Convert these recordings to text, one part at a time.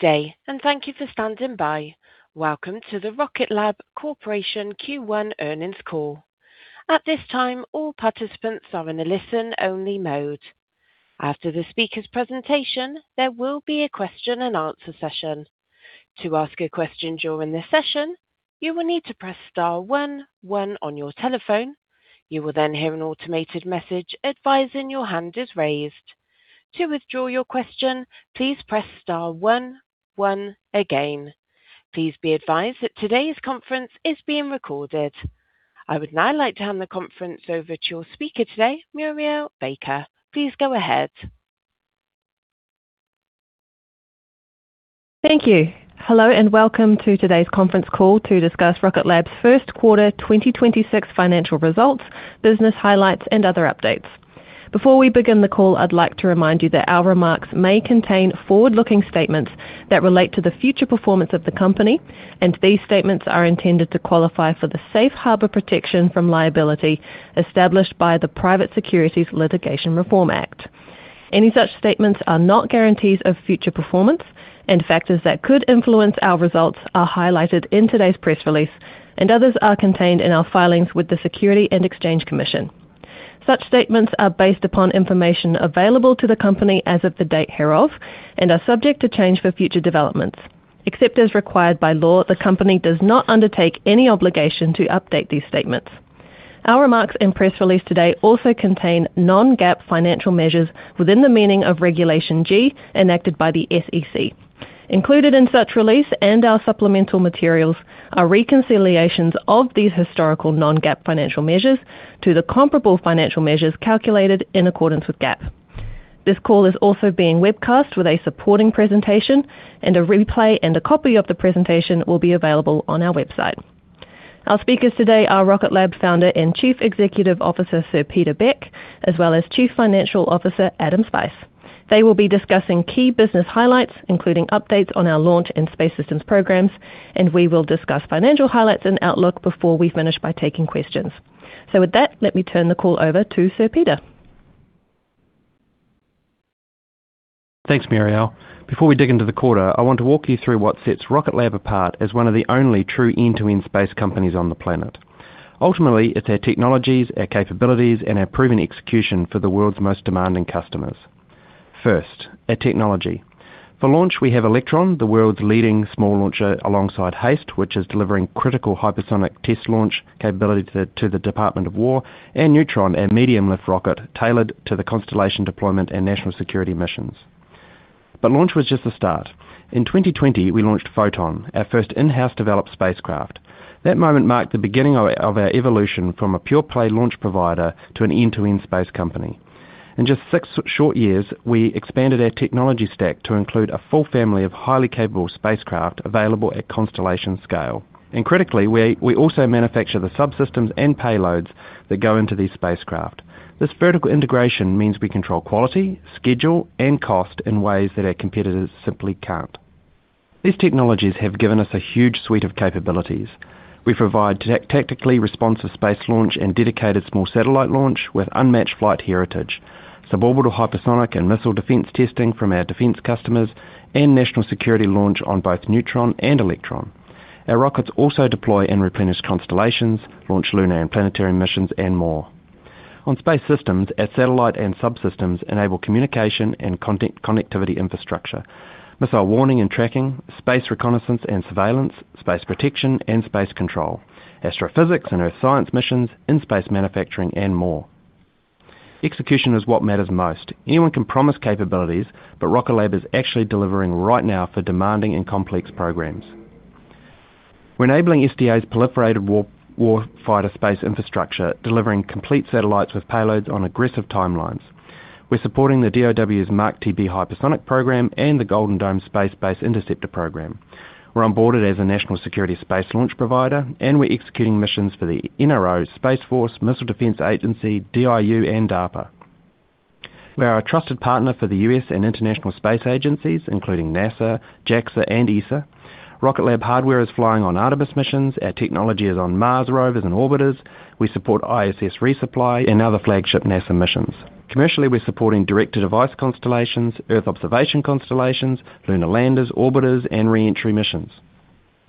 Good day, and thank you for standing by. Welcome to the Rocket Lab Corporation Q1 earnings call. At this time, all participants are in a listen-only mode. After the speaker's presentation, there will be a question and answer session. To ask a question during this session, you will need to press Star one on your telephone. You will then hear an automated message advising your hand is raised. To withdraw your question, please press Star one one again. Please be advised that today's conference is being recorded. I would now like to hand the conference over to your speaker today, Murielle Baker. Please go ahead. Thank you. Hello, and welcome to today's conference call to discuss Rocket Lab's first quarter 2026 financial results, business highlights, and other updates. Before we begin the call, I'd like to remind you that our remarks may contain forward-looking statements that relate to the future performance of the company, and these statements are intended to qualify for the safe harbor protection from liability established by the Private Securities Litigation Reform Act. Any such statements are not guarantees of future performance, and factors that could influence our results are highlighted in today's press release, and others are contained in our filings with the Securities and Exchange Commission. Such statements are based upon information available to the company as of the date hereof and are subject to change for future developments. Except as required by law, the company does not undertake any obligation to update these statements. Our remarks and press release today also contain non-GAAP financial measures within the meaning of Regulation G enacted by the SEC. Included in such release and our supplemental materials are reconciliations of these historical non-GAAP financial measures to the comparable financial measures calculated in accordance with GAAP. This call is also being webcast with a supporting presentation, and a replay and a copy of the presentation will be available on our website. Our speakers today are Rocket Lab Founder and Chief Executive Officer, Sir Peter Beck, as well as Chief Financial Officer, Adam Spice. They will be discussing key business highlights, including updates on our launch and space systems programs, and we will discuss financial highlights and outlook before we finish by taking questions. With that, let me turn the call over to Sir Peter. Thanks, Murielle. Before we dig into the quarter, I want to walk you through what sets Rocket Lab apart as one of the only true end-to-end space companies on the planet. Ultimately, it's our technologies, our capabilities, and our proven execution for the world's most demanding customers. First, our technology. For launch, we have Electron, the world's leading small launcher alongside HASTE, which is delivering critical hypersonic test launch capability to the Department of Defense, and Neutron, our medium-lift rocket tailored to the constellation deployment and national security missions. Launch was just the start. In 2020, we launched Photon, our first in-house developed spacecraft. That moment marked the beginning of our evolution from a pure-play launch provider to an end-to-end space company. In just six short years, we expanded our technology stack to include a full family of highly capable spacecraft available at constellation scale. Critically, we also manufacture the subsystems and payloads that go into these spacecraft. This vertical integration means we control quality, schedule, and cost in ways that our competitors simply can't. These technologies have given us a huge suite of capabilities. We provide tactically responsive space launch and dedicated small satellite launch with unmatched flight heritage, suborbital hypersonic and missile defense testing from our defense customers, and national security launch on both Neutron and Electron. Our rockets also deploy and replenish constellations, launch lunar and planetary missions, and more. On Space Systems, our satellite and subsystems enable communication and connectivity infrastructure, missile warning and tracking, space reconnaissance and surveillance, space protection and space control, astrophysics and earth science missions, in-space manufacturing, and more. Execution is what matters most. Anyone can promise capabilities, but Rocket Lab is actually delivering right now for demanding and complex programs. We're enabling SDA's Proliferated Warfighter Space Architecture, delivering complete satellites with payloads on aggressive timelines. We're supporting the DoD's MACH-TB hypersonic program and the Golden Dome Space-Based Interceptor program. We're onboarded as a national security space launch provider. We're executing missions for the NRO, Space Force, Missile Defense Agency, DIU, and DARPA. We are a trusted partner for the U.S. and international space agencies, including NASA, JAXA, and ESA. Rocket Lab hardware is flying on Artemis missions. Our technology is on Mars rovers and orbiters. We support ISS resupply and other flagship NASA missions. Commercially, we're supporting direct-to-device constellations, Earth observation constellations, lunar landers, orbiters, and re-entry missions.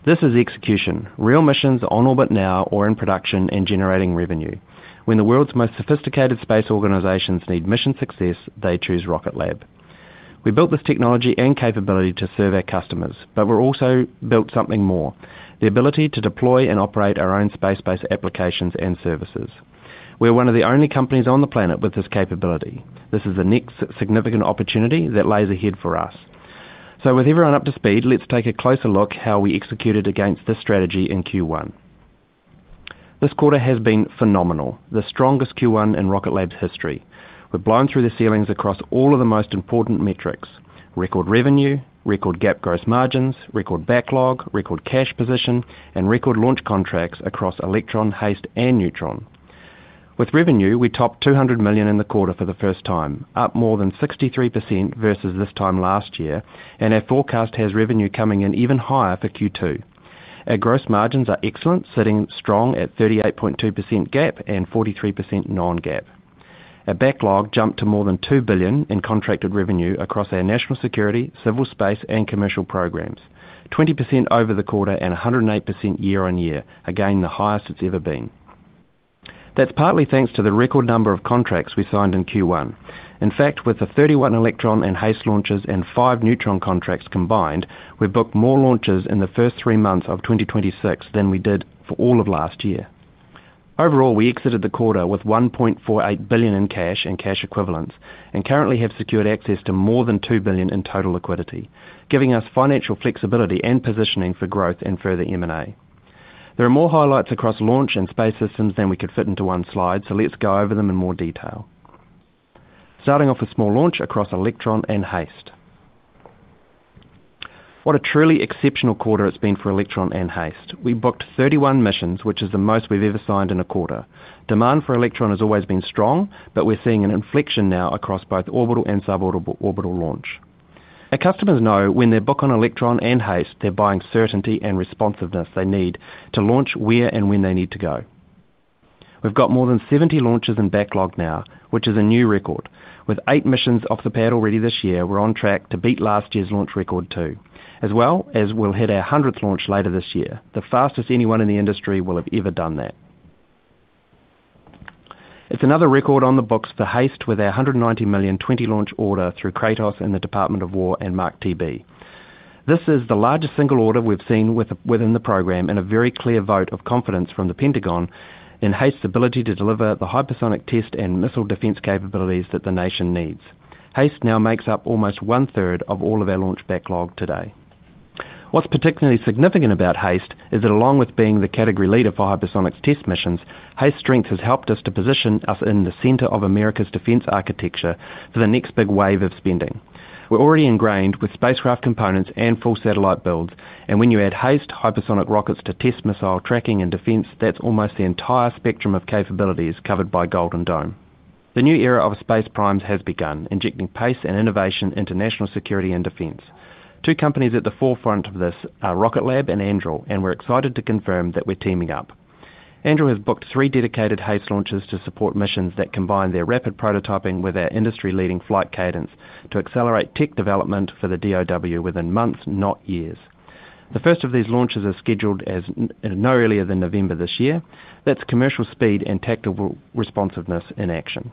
This is execution. Real missions on orbit now or in production and generating revenue. When the world's most sophisticated space organizations need mission success, they choose Rocket Lab. We built this technology and capability to serve our customers, but we're also built something more, the ability to deploy and operate our own space-based applications and services. We're one of the only companies on the planet with this capability. This is the next significant opportunity that lays ahead for us. With everyone up to speed, let's take a closer look how we executed against this strategy in Q1. This quarter has been phenomenal, the strongest Q1 in Rocket Lab's history. We've blown through the ceilings across all of the most important metrics: record revenue, record GAAP gross margins, record backlog, record cash position, and record launch contracts across Electron, HASTE, and Neutron. With revenue, we topped $200 million in the quarter for the first time, up more than 63% versus this time last year, and our forecast has revenue coming in even higher for Q2. Our gross margins are excellent, sitting strong at 38.2% GAAP and 43% non-GAAP. Our backlog jumped to more than $2 billion in contracted revenue across our national security, civil space, and commercial programs, 20% over the quarter and 108% year-over-year. Again, the highest it's ever been. That's partly thanks to the record number of contracts we signed in Q1. In fact, with the 31 Electron and HASTE launches and 5 Neutron contracts combined, we've booked more launches in the first three months of 2026 than we did for all of last year. Overall, we exited the quarter with $1.48 billion in cash and cash equivalents, and currently have secured access to more than $2 billion in total liquidity, giving us financial flexibility and positioning for growth and further M&A. There are more highlights across Launch Services and Space Systems than we could fit into one Slide. Let's go over them in more detail. starting off with small launch across Electron and HASTE. What a truly exceptional quarter it's been for Electron and HASTE. We booked 31 missions, which is the most we've ever signed in a quarter. Demand for Electron has always been strong. We're seeing an inflection now across both orbital and sub-orbital, orbital launch. Our customers know when they book on Electron and HASTE, they're buying certainty and responsiveness they need to launch where and when they need to go. We've got more than 70 launches in backlog now, which is a new record. With eight missions off the pad already this year, we're on track to beat last year's launch record too, as well as we'll hit our 100th launch later this year, the fastest anyone in the industry will have ever done that. It's another record on the books for HASTE with our $190 million, 20-launch order through Kratos and the Department of War and MACH-TB. This is the largest single order we've seen within the program and a very clear vote of confidence from the Pentagon in HASTE's ability to deliver the hypersonic test and missile defense capabilities that the nation needs. HASTE now makes up almost one-third of all of our launch backlog today. What's particularly significant about HASTE is that along with being the category leader for hypersonics test missions, HASTE's strength has helped us to position us in the center of America's defense architecture for the next big wave of spending. We're already ingrained with spacecraft components and full satellite builds, and when you add HASTE hypersonic rockets to test missile tracking and defense, that's almost the entire spectrum of capabilities covered by Golden Dome. The new era of space primes has begun, injecting pace and innovation into national security and defense. Two companies at the forefront of this are Rocket Lab and Anduril, and we're excited to confirm that we're teaming up. Anduril has booked three dedicated HASTE launches to support missions that combine their rapid prototyping with our industry-leading flight cadence to accelerate tech development for the DoW within months, not years. The first of these launches are scheduled as no earlier than November this year. That's commercial speed and tactical responsiveness in action.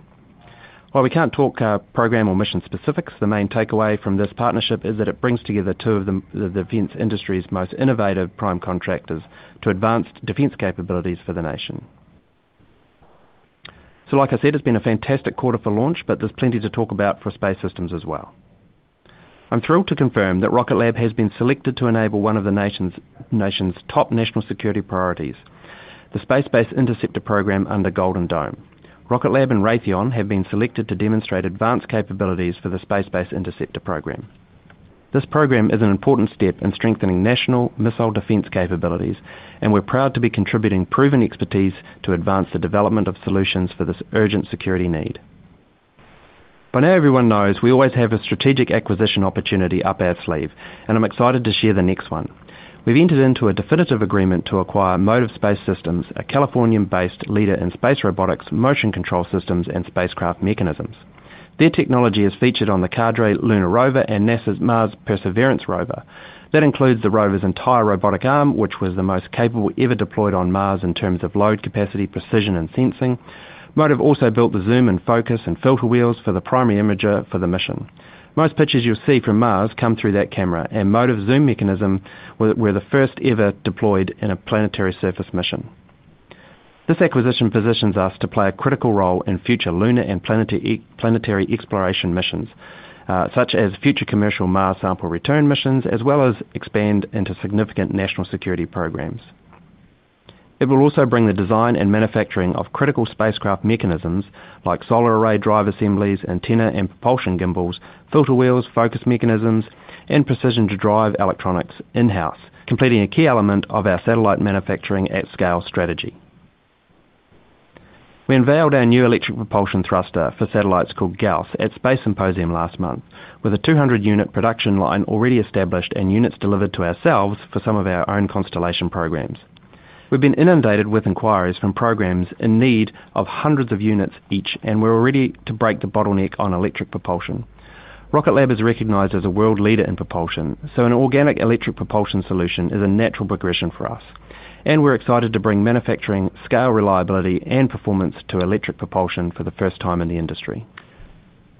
While we can't talk our program or mission specifics, the main takeaway from this partnership is that it brings together two of the defense industry's most innovative prime contractors to advance defense capabilities for the nation. Like I said, it's been a fantastic quarter for Launch, but there's plenty to talk about for Space Systems as well. I'm thrilled to confirm that Rocket Lab has been selected to enable one of the nation's top national security priorities, the Space-Based Interceptor program under Golden Dome. Rocket Lab and Raytheon have been selected to demonstrate advanced capabilities for the Space-Based Interceptor program. This program is an important step in strengthening national missile defense capabilities, and we're proud to be contributing proven expertise to advance the development of solutions for this urgent security need. By now, everyone knows we always have a strategic acquisition opportunity up our sleeve, and I'm excited to share the next one. We've entered into a definitive agreement to acquire Motiv Space Systems, a Californian-based leader in space robotics, motion control systems, and spacecraft mechanisms. Their technology is featured on the CADRE lunar rover and NASA's Mars Perseverance rover. That includes the rover's entire robotic arm, which was the most capable ever deployed on Mars in terms of load capacity, precision, and sensing. Motiv also built the zoom and focus and filter wheels for the primary imager for the mission. Most pictures you'll see from Mars come through that camera, and Motiv's zoom mechanism were the first ever deployed in a planetary surface mission. This acquisition positions us to play a critical role in future lunar and planetary exploration missions, such as future commercial Mars Sample Return missions, as well as expand into significant national security programs. It will also bring the design and manufacturing of critical spacecraft mechanisms like solar array drive assemblies, antenna and propulsion gimbals, filter wheels, focus mechanisms, and precision to drive electronics in-house, completing a key element of our satellite manufacturing at scale strategy. We unveiled our new electric propulsion thruster for satellites called OURS at Space Symposium last month with a 200 unit production line already established and units delivered to ourselves for some of our own constellation programs. We've been inundated with inquiries from programs in need of hundreds of units each. We're ready to break the bottleneck on electric propulsion. Rocket Lab is recognized as a world leader in propulsion, an organic electric propulsion solution is a natural progression for us. We're excited to bring manufacturing scale reliability and performance to electric propulsion for the first time in the industry.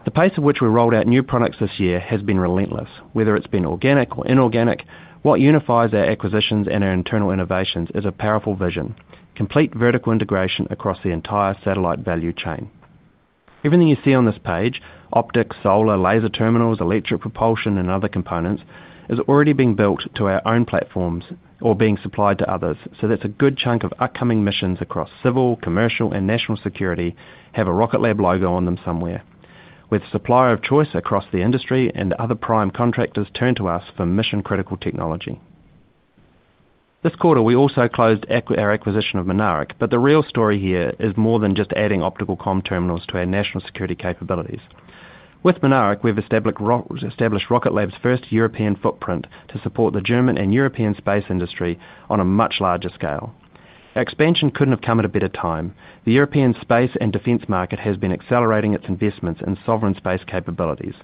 The pace at which we rolled out new products this year has been relentless, whether it's been organic or inorganic. What unifies our acquisitions and our internal innovations is a powerful vision, complete vertical integration across the entire satellite value chain. Everything you see on this page, optics, solar, laser terminals, electric propulsion, and other components, is already being built to our own platforms or being supplied to others. That's a good chunk of upcoming missions across civil, commercial, and national security have a Rocket Lab logo on them somewhere. We're the supplier of choice across the industry, and other prime contractors turn to us for mission-critical technology. This quarter, we also closed our acquisition of SolAero, the real story here is more than just adding optical comm terminals to our national security capabilities. With SolAero, we've established Rocket Lab's first European footprint to support the German and European space industry on a much larger scale. Expansion couldn't have come at a better time. The European space and defense market has been accelerating its investments in sovereign space capabilities,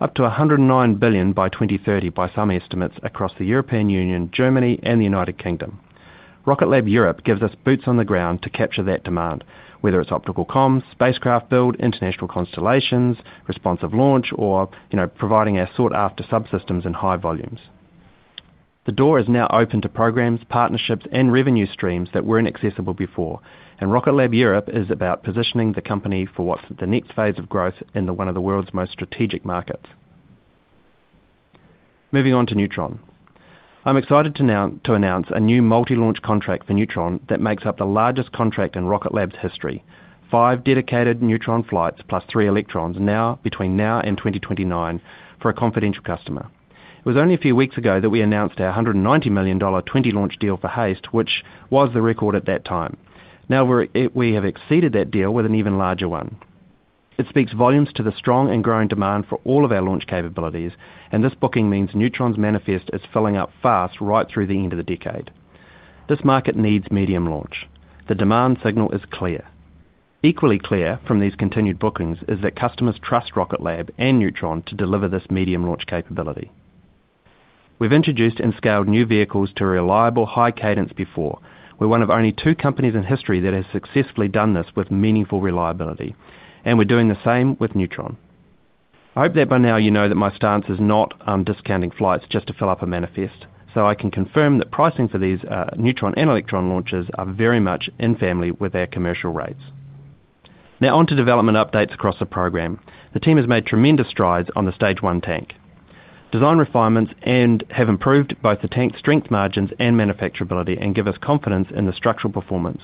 up to $109 billion by 2030 by some estimates across the European Union, Germany, and the United Kingdom. Rocket Lab Europe gives us boots on the ground to capture that demand, whether it's optical comms, spacecraft build, international constellations, responsive launch, or, you know, providing our sought-after subsystems in high volumes. The door is now open to programs, partnerships, and revenue streams that weren't accessible before. Rocket Lab Europe is about positioning the company for what's the next phase of growth in the one of the world's most strategic markets. Moving on to Neutron. I'm excited to announce a new multi-launch contract for Neutron that makes up the largest contract in Rocket Lab's history, five dedicated Neutron flights plus three Electrons now, between now and 2029 for a confidential customer. It was only a few weeks ago that we announced our $190 million 20-launch deal for HASTE, which was the record at that time. Now we have exceeded that deal with an even larger one. It speaks volumes to the strong and growing demand for all of our launch capabilities, and this booking means Neutron's manifest is filling up fast right through the end of the decade. This market needs medium launch. The demand signal is clear. Equally clear from these continued bookings is that customers trust Rocket Lab and Neutron to deliver this medium launch capability. We've introduced and scaled new vehicles to reliable high cadence before. We're one of only two companies in history that has successfully done this with meaningful reliability, and we're doing the same with Neutron. I hope that by now you know that my stance is not discounting flights just to fill up a manifest. I can confirm that pricing for these Neutron and Electron launches are very much in family with our commercial rates. On to development updates across the program. The team has made tremendous strides on the Stage one tank. Design refinements have improved both the tank strength margins and manufacturability and give us confidence in the structural performance.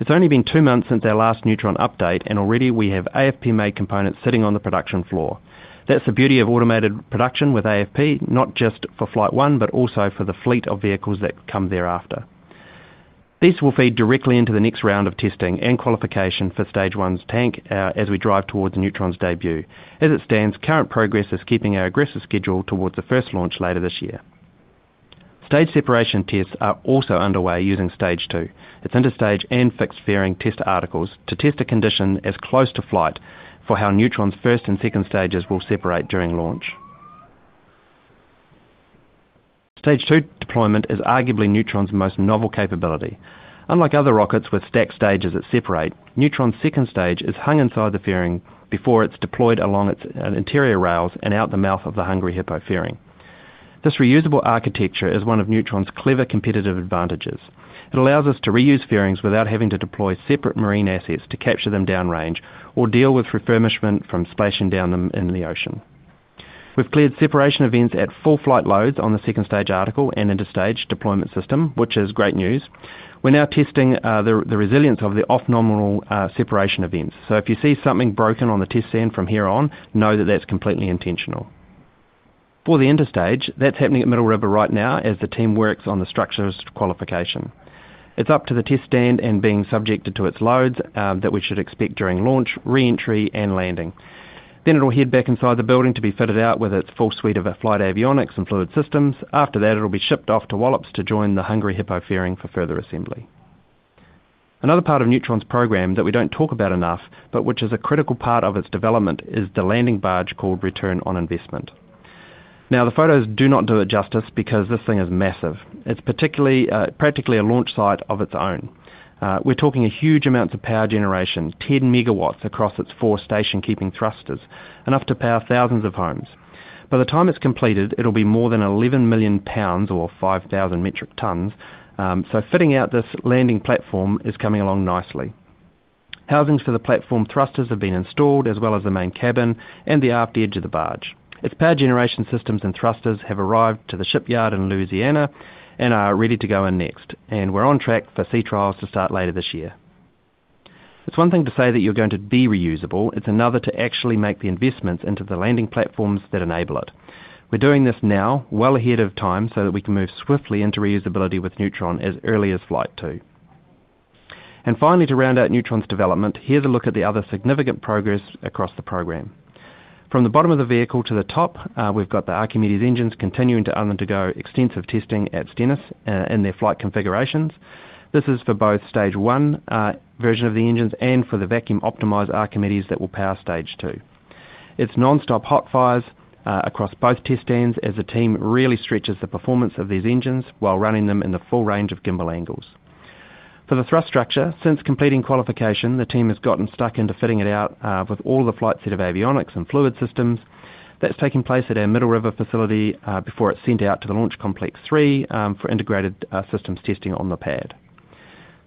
It's only been two months since our last Neutron update. Already we have AFP-made components sitting on the production floor. That's the beauty of automated production with AFP, not just for flight one, but also for the fleet of vehicles that come thereafter. This will feed directly into the next round of testing and qualification for Stage 1's tank as we drive towards Neutron's debut. As it stands, current progress is keeping our aggressive schedule towards the first launch later this year. Stage separation tests are also underway using Stage two. Its interStage and fixed fairing test articles to test the condition as close to flight for how Neutron's first and second Stages will separate during launch. Stage two deployment is arguably Neutron's most novel capability. Unlike other rockets with stacked Stages that separate, Neutron's 2nd Stage is hung inside the fairing before it's deployed along its interior rails and out the mouth of the Hungry Hippo fairing. This reusable architecture is one of Neutron's clever competitive advantages. It allows us to reuse fairings without having to deploy separate marine assets to capture them downrange or deal with refurbishment from splashing down them in the ocean. We've cleared separation events at full flight loads on the second Stage article and interStage deployment system, which is great news. We're now testing the resilience of the off normal separation events. If you see something broken on the test stand from here on, know that that's completely intentional. For the interStage, that's happening at Middle River right now as the team works on the structures qualification. It's up to the test stand and being subjected to its loads that we should expect during launch, re-entry, and landing. It'll head back inside the building to be fitted out with its full suite of flight avionics and fluid systems. After that, it'll be shipped off to Wallops to join the Hungry Hippo fairing for further assembly. Another part of Neutron's program that we don't talk about enough, but which is a critical part of its development, is the landing barge called Return On Investment. The photos do not do it justice because this thing is massive. It's particularly, practically a launch site of its own. We're talking a huge amount of power generation, 10 MW across its four station-keeping thrusters, enough to power thousands of homes. By the time it's completed, it'll be more than 11 million pounds or 5,000 metric tons, so fitting out this landing platform is coming along nicely. Housings for the platform thrusters have been installed, as well as the main cabin and the aft edge of the barge. Its power generation systems and thrusters have arrived to the shipyard in Louisiana and are ready to go in next. We're on track for sea trials to start later this year. It's one thing to say that you're going to be reusable, it's another to actually make the investments into the landing platforms that enable it. We're doing this now, well ahead of time, so that we can move swiftly into reusability with Neutron as early as flight two. Finally, to round out Neutron's development, here's a look at the other significant progress across the program. From the bottom of the vehicle to the top, we've got the Archimedes engines continuing to undergo extensive testing at Stennis in their flight configurations. This is for both Stage 1 version of the engines and for the vacuum-optimized Archimedes that will power Stage two. It's nonstop hot fires across both test stands as the team really stretches the performance of these engines while running them in the full range of gimbal angles. For the thrust structure, since completing qualification, the team has gotten stuck into fitting it out with all the flight set of avionics and fluid systems. That's taking place at our Middle River facility before it's sent out to the Launch Complex three for integrated systems testing on the pad.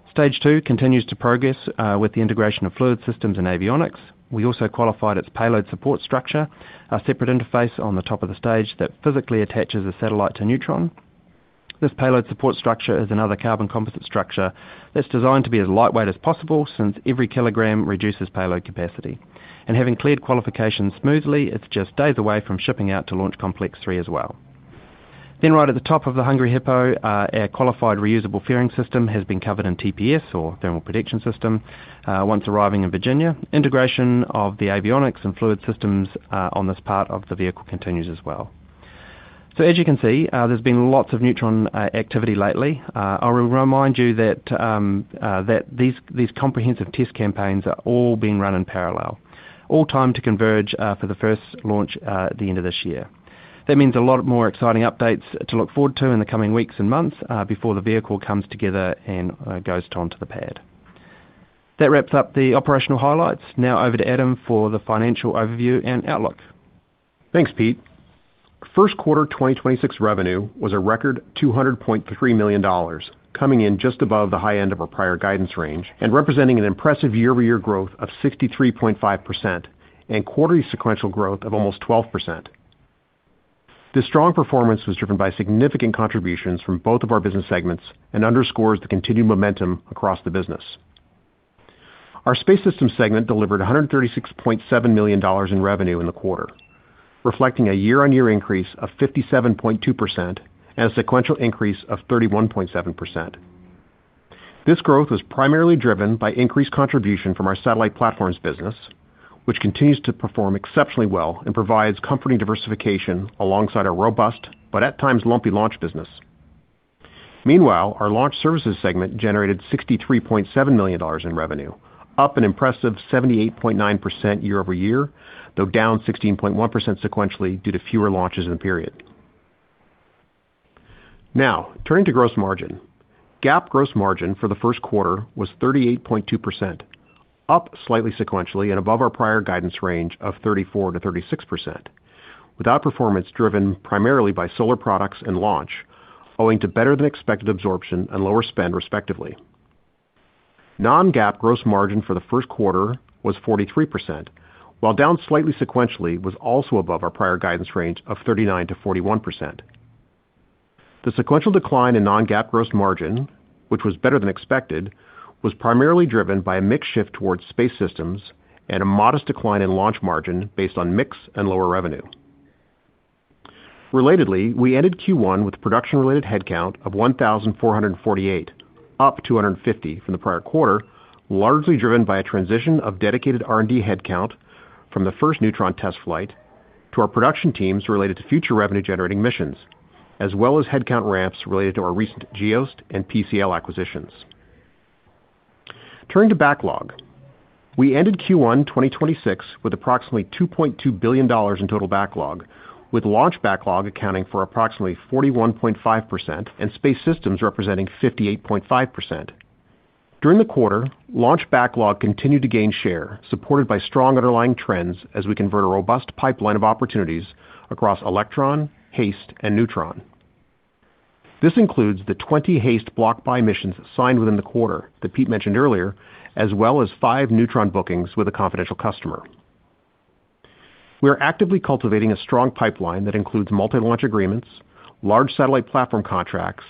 Stage two continues to progress with the integration of fluid systems and avionics. We also qualified its payload support structure, a separate interface on the top of the Stage that physically attaches the satellite to Neutron. This payload support structure is another carbon composite structure that's designed to be as lightweight as possible since every kilogram reduces payload capacity. Having cleared qualification smoothly, it's just days away from shipping out to Launch Complex 3 as well. Right at the top of the Hungry Hippo, our qualified reusable fairing system has been covered in TPS or thermal protection system. Once arriving in Virginia, integration of the avionics and fluid systems on this part of the vehicle continues as well. As you can see, there's been lots of Neutron activity lately. I'll remind you that these comprehensive test campaigns are all being run in parallel, all timed to converge for the first launch at the end of this year. That means a lot more exciting updates to look forward to in the coming weeks and months before the vehicle comes together and goes onto the pad. That wraps up the operational highlights. Now over to Adam for the financial overview and outlook. Thanks, Pete. First quarter 2026 revenue was a record $200.3 million, coming in just above the high end of our prior guidance range and representing an impressive year-over-year growth of 63.5% and quarterly sequential growth of almost 12%. This strong performance was driven by significant contributions from both of our business segments and underscores the continued momentum across the business. Our Space Systems segment delivered $136.7 million in revenue in the quarter, reflecting a year-on-year increase of 57.2% and a sequential increase of 31.7%. This growth was primarily driven by increased contribution from our satellite platforms business, which continues to perform exceptionally well and provides company diversification alongside our robust, but at times lumpy launch business. Our Launch Services segment generated $63.7 million in revenue, up an impressive 78.9% year-over-year, though down 16.1% sequentially due to fewer launches in the period. Turning to gross margin. GAAP gross margin for the first quarter was 38.2%, up slightly sequentially and above our prior guidance range of 34%-36%, with outperformance driven primarily by solar products and launch owing to better than expected absorption and lower spend respectively. Non-GAAP gross margin for the first quarter was 43%, while down slightly sequentially, was also above our prior guidance range of 39%-41%. The sequential decline in non-GAAP gross margin, which was better than expected, was primarily driven by a mix shift towards Space Systems and a modest decline in launch margin based on mix and lower revenue. Relatedly, we ended Q1 with a production-related headcount of 1,448, up 250 from the prior quarter, largely driven by a transition of dedicated R&D headcount from the first Neutron test flight to our production teams related to future revenue-generating missions, as well as headcount ramps related to our recent GEOST and PSC acquisitions. Turning to backlog. We ended Q1 2026 with approximately $2.2 billion in total backlog, with launch backlog accounting for approximately 41.5% and space systems representing 58.5%. During the quarter, launch backlog continued to gain share, supported by strong underlying trends as we convert a robust pipeline of opportunities across Electron, HASTE, and Neutron. This includes the 20 HASTE block buy missions signed within the quarter that Peter Beck mentioned earlier, as well as five Neutron bookings with a confidential customer. We are actively cultivating a strong pipeline that includes multi-launch agreements, large satellite platform contracts,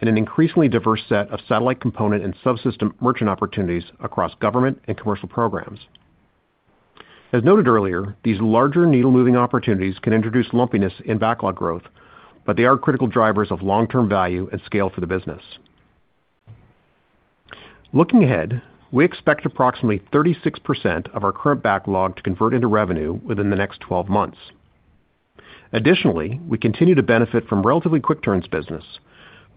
and an increasingly diverse set of satellite component and subsystem merchant opportunities across government and commercial programs. As noted earlier, these larger needle-moving opportunities can introduce lumpiness in backlog growth, but they are critical drivers of long-term value and scale for the business. Looking ahead, we expect approximately 36% of our current backlog to convert into revenue within the next 12 months. Additionally, we continue to benefit from relatively quick turns business,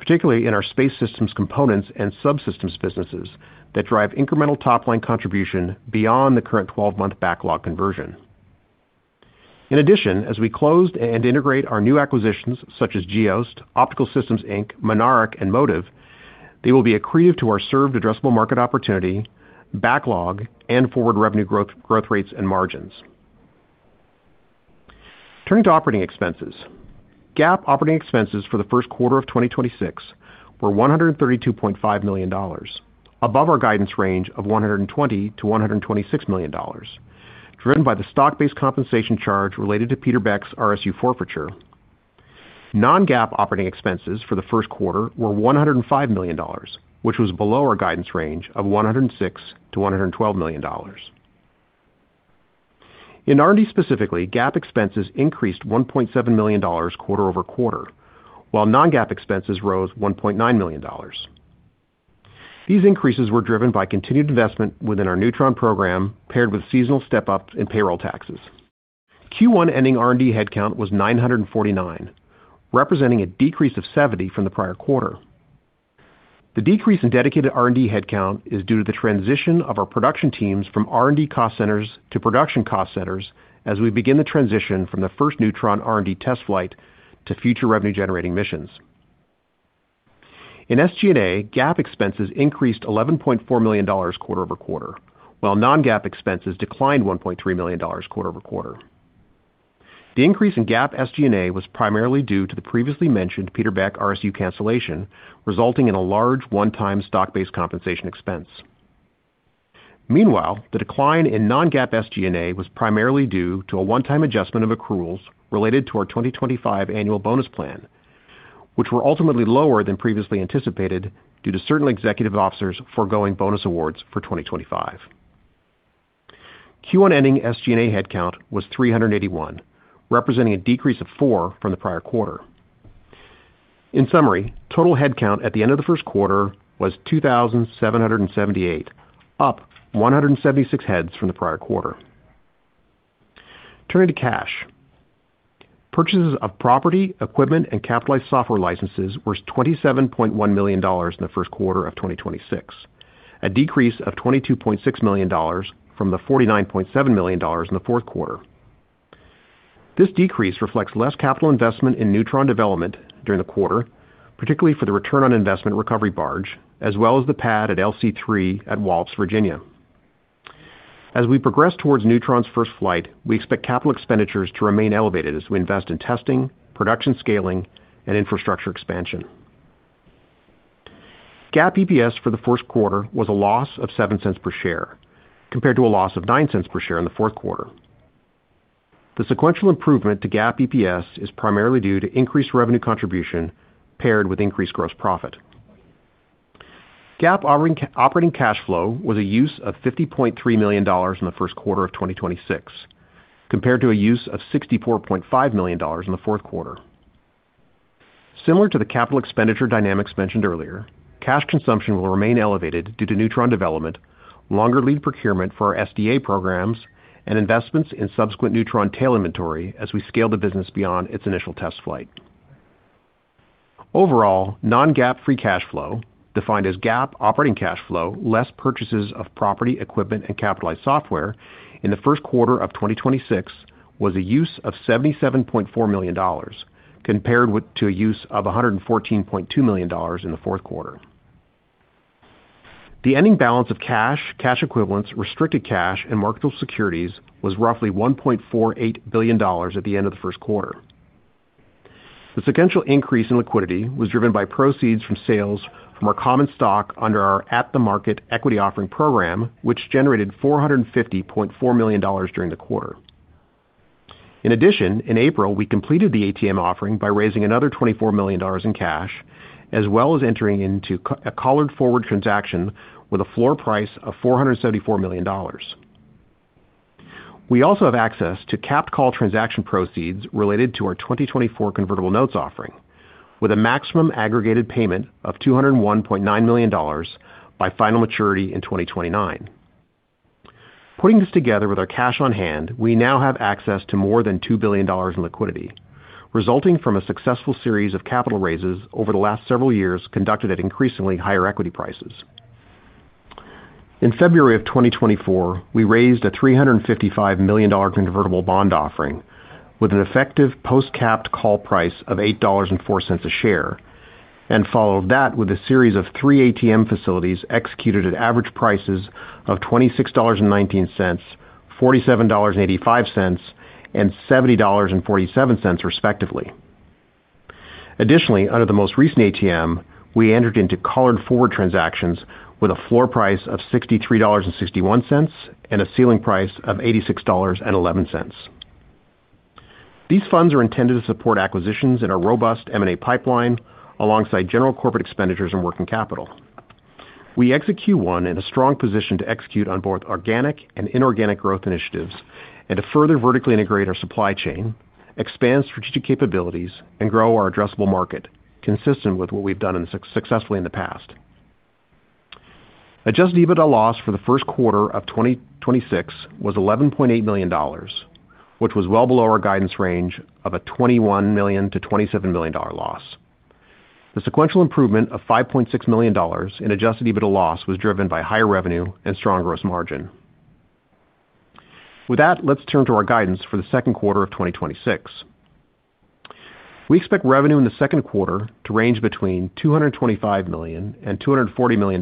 particularly in our Space Systems components and subsystems businesses that drive incremental top-line contribution beyond the current 12-month backlog conversion. In addition, as we close and integrate our new acquisitions such as Geost, Optical Support, Inc., MYNARICH, and Motiv Space Systems, they will be accretive to our served addressable market opportunity, backlog, and forward revenue growth rates, and margins. Turning to operating expenses. GAAP operating expenses for the first quarter of 2026 were $132.5 million, above our guidance range of $120 million-$126 million, driven by the stock-based compensation charge related to Peter Beck's RSU forfeiture. Non-GAAP operating expenses for the first quarter were $105 million, which was below our guidance range of $106 million-$112 million. In R&D specifically, GAAP expenses increased $1.7 million quarter-over-quarter, while non-GAAP expenses rose $1.9 million. These increases were driven by continued investment within our Neutron program paired with seasonal step-ups in payroll taxes. Q1 ending R&D headcount was 949, representing a decrease of 70 from the prior quarter. The decrease in dedicated R&D headcount is due to the transition of our production teams from R&D cost centers to production cost centers as we begin the transition from the first Neutron R&D test flight to future revenue-generating missions. In SG&A, GAAP expenses increased $11.4 million quarter-over-quarter, while non-GAAP expenses declined $1.3 million quarter-over-quarter. The increase in GAAP SG&A was primarily due to the previously mentioned Peter Beck RSU cancellation, resulting in a large one-time stock-based compensation expense. Meanwhile, the decline in non-GAAP SG&A was primarily due to a one-time adjustment of accruals related to our 2025 annual bonus plan, which were ultimately lower than previously anticipated due to certain executive officers forgoing bonus awards for 2025. Q1 ending SG&A headcount was 381, representing a decrease of four from the prior quarter. In summary, total headcount at the end of the first quarter was 2,778, up 176 heads from the prior quarter. Turning to cash. Purchases of property, equipment, and capitalized software licenses was $27.1 million in the first quarter of 2026, a decrease of $22.6 million from the $49.7 million in the fourth quarter. This decrease reflects less capital investment in Neutron development during the quarter, particularly for the Return On Investment recovery barge, as well as the pad at LC-3 at Wallops, Virginia. As we progress towards Neutron's first flight, we expect capital expenditures to remain elevated as we invest in testing, production scaling, and infrastructure expansion. GAAP EPS for the first quarter was a loss of $0.07 per share, compared to a loss of $0.09 per share in the fourth quarter. The sequential improvement to GAAP EPS is primarily due to increased revenue contribution paired with increased gross profit. GAAP operating cash flow was a use of $50.3 million in the first quarter of 2026, compared to a use of $64.5 million in the fourth quarter. Similar to the capital expenditure dynamics mentioned earlier, cash consumption will remain elevated due to Neutron development, longer lead procurement for our SDA programs, and investments in subsequent Neutron tail inventory as we scale the business beyond its initial test flight. Overall, non-GAAP free cash flow, defined as GAAP operating cash flow less purchases of property, equipment, and capitalized software in the first quarter of 2026 was a use of $77.4 million, compared to a use of $114.2 million in the fourth quarter. The ending balance of cash equivalents, restricted cash, and marketable securities was roughly $1.48 billion at the end of the first quarter. The sequential increase in liquidity was driven by proceeds from sales from our common stock under our at-the-market equity offering program, which generated $450.4 million during the quarter. In addition, in April, we completed the ATM offering by raising another $24 million in cash, as well as entering into a collared forward transaction with a floor price of $474 million. We also have access to capped call transaction proceeds related to our 2024 convertible notes offering, with a maximum aggregated payment of $201.9 million by final maturity in 2029. Putting this together with our cash on hand, we now have access to more than $2 billion in liquidity, resulting from a successful series of capital raises over the last several years conducted at increasingly higher equity prices. In February of 2024, we raised a $355 million convertible bond offering with an effective post-capped call price of $8.04 a share, and followed that with a series of 3 ATM facilities executed at average prices of $26.19, $47.85, and $70.47 respectively. Additionally, under the most recent ATM, we entered into collared forward transactions with a floor price of $63.61 and a ceiling price of $86.11. These funds are intended to support acquisitions in our robust M and A pipeline alongside general corporate expenditures and working capital. We execute one in a strong position to execute on both organic and inorganic growth initiatives and to further vertically integrate our supply chain, expand strategic capabilities, and grow our addressable market consistent with what we've done successfully in the past. Adjusted EBITDA loss for the first quarter of 2026 was $11.8 million, which was well below our guidance range of a $21 million-$27 million dollar loss. The sequential improvement of $5.6 million in adjusted EBITDA loss was driven by higher revenue and strong gross margin. Let's turn to our guidance for the second quarter of 2026. We expect revenue in the second quarter to range between $225 million and $240 million,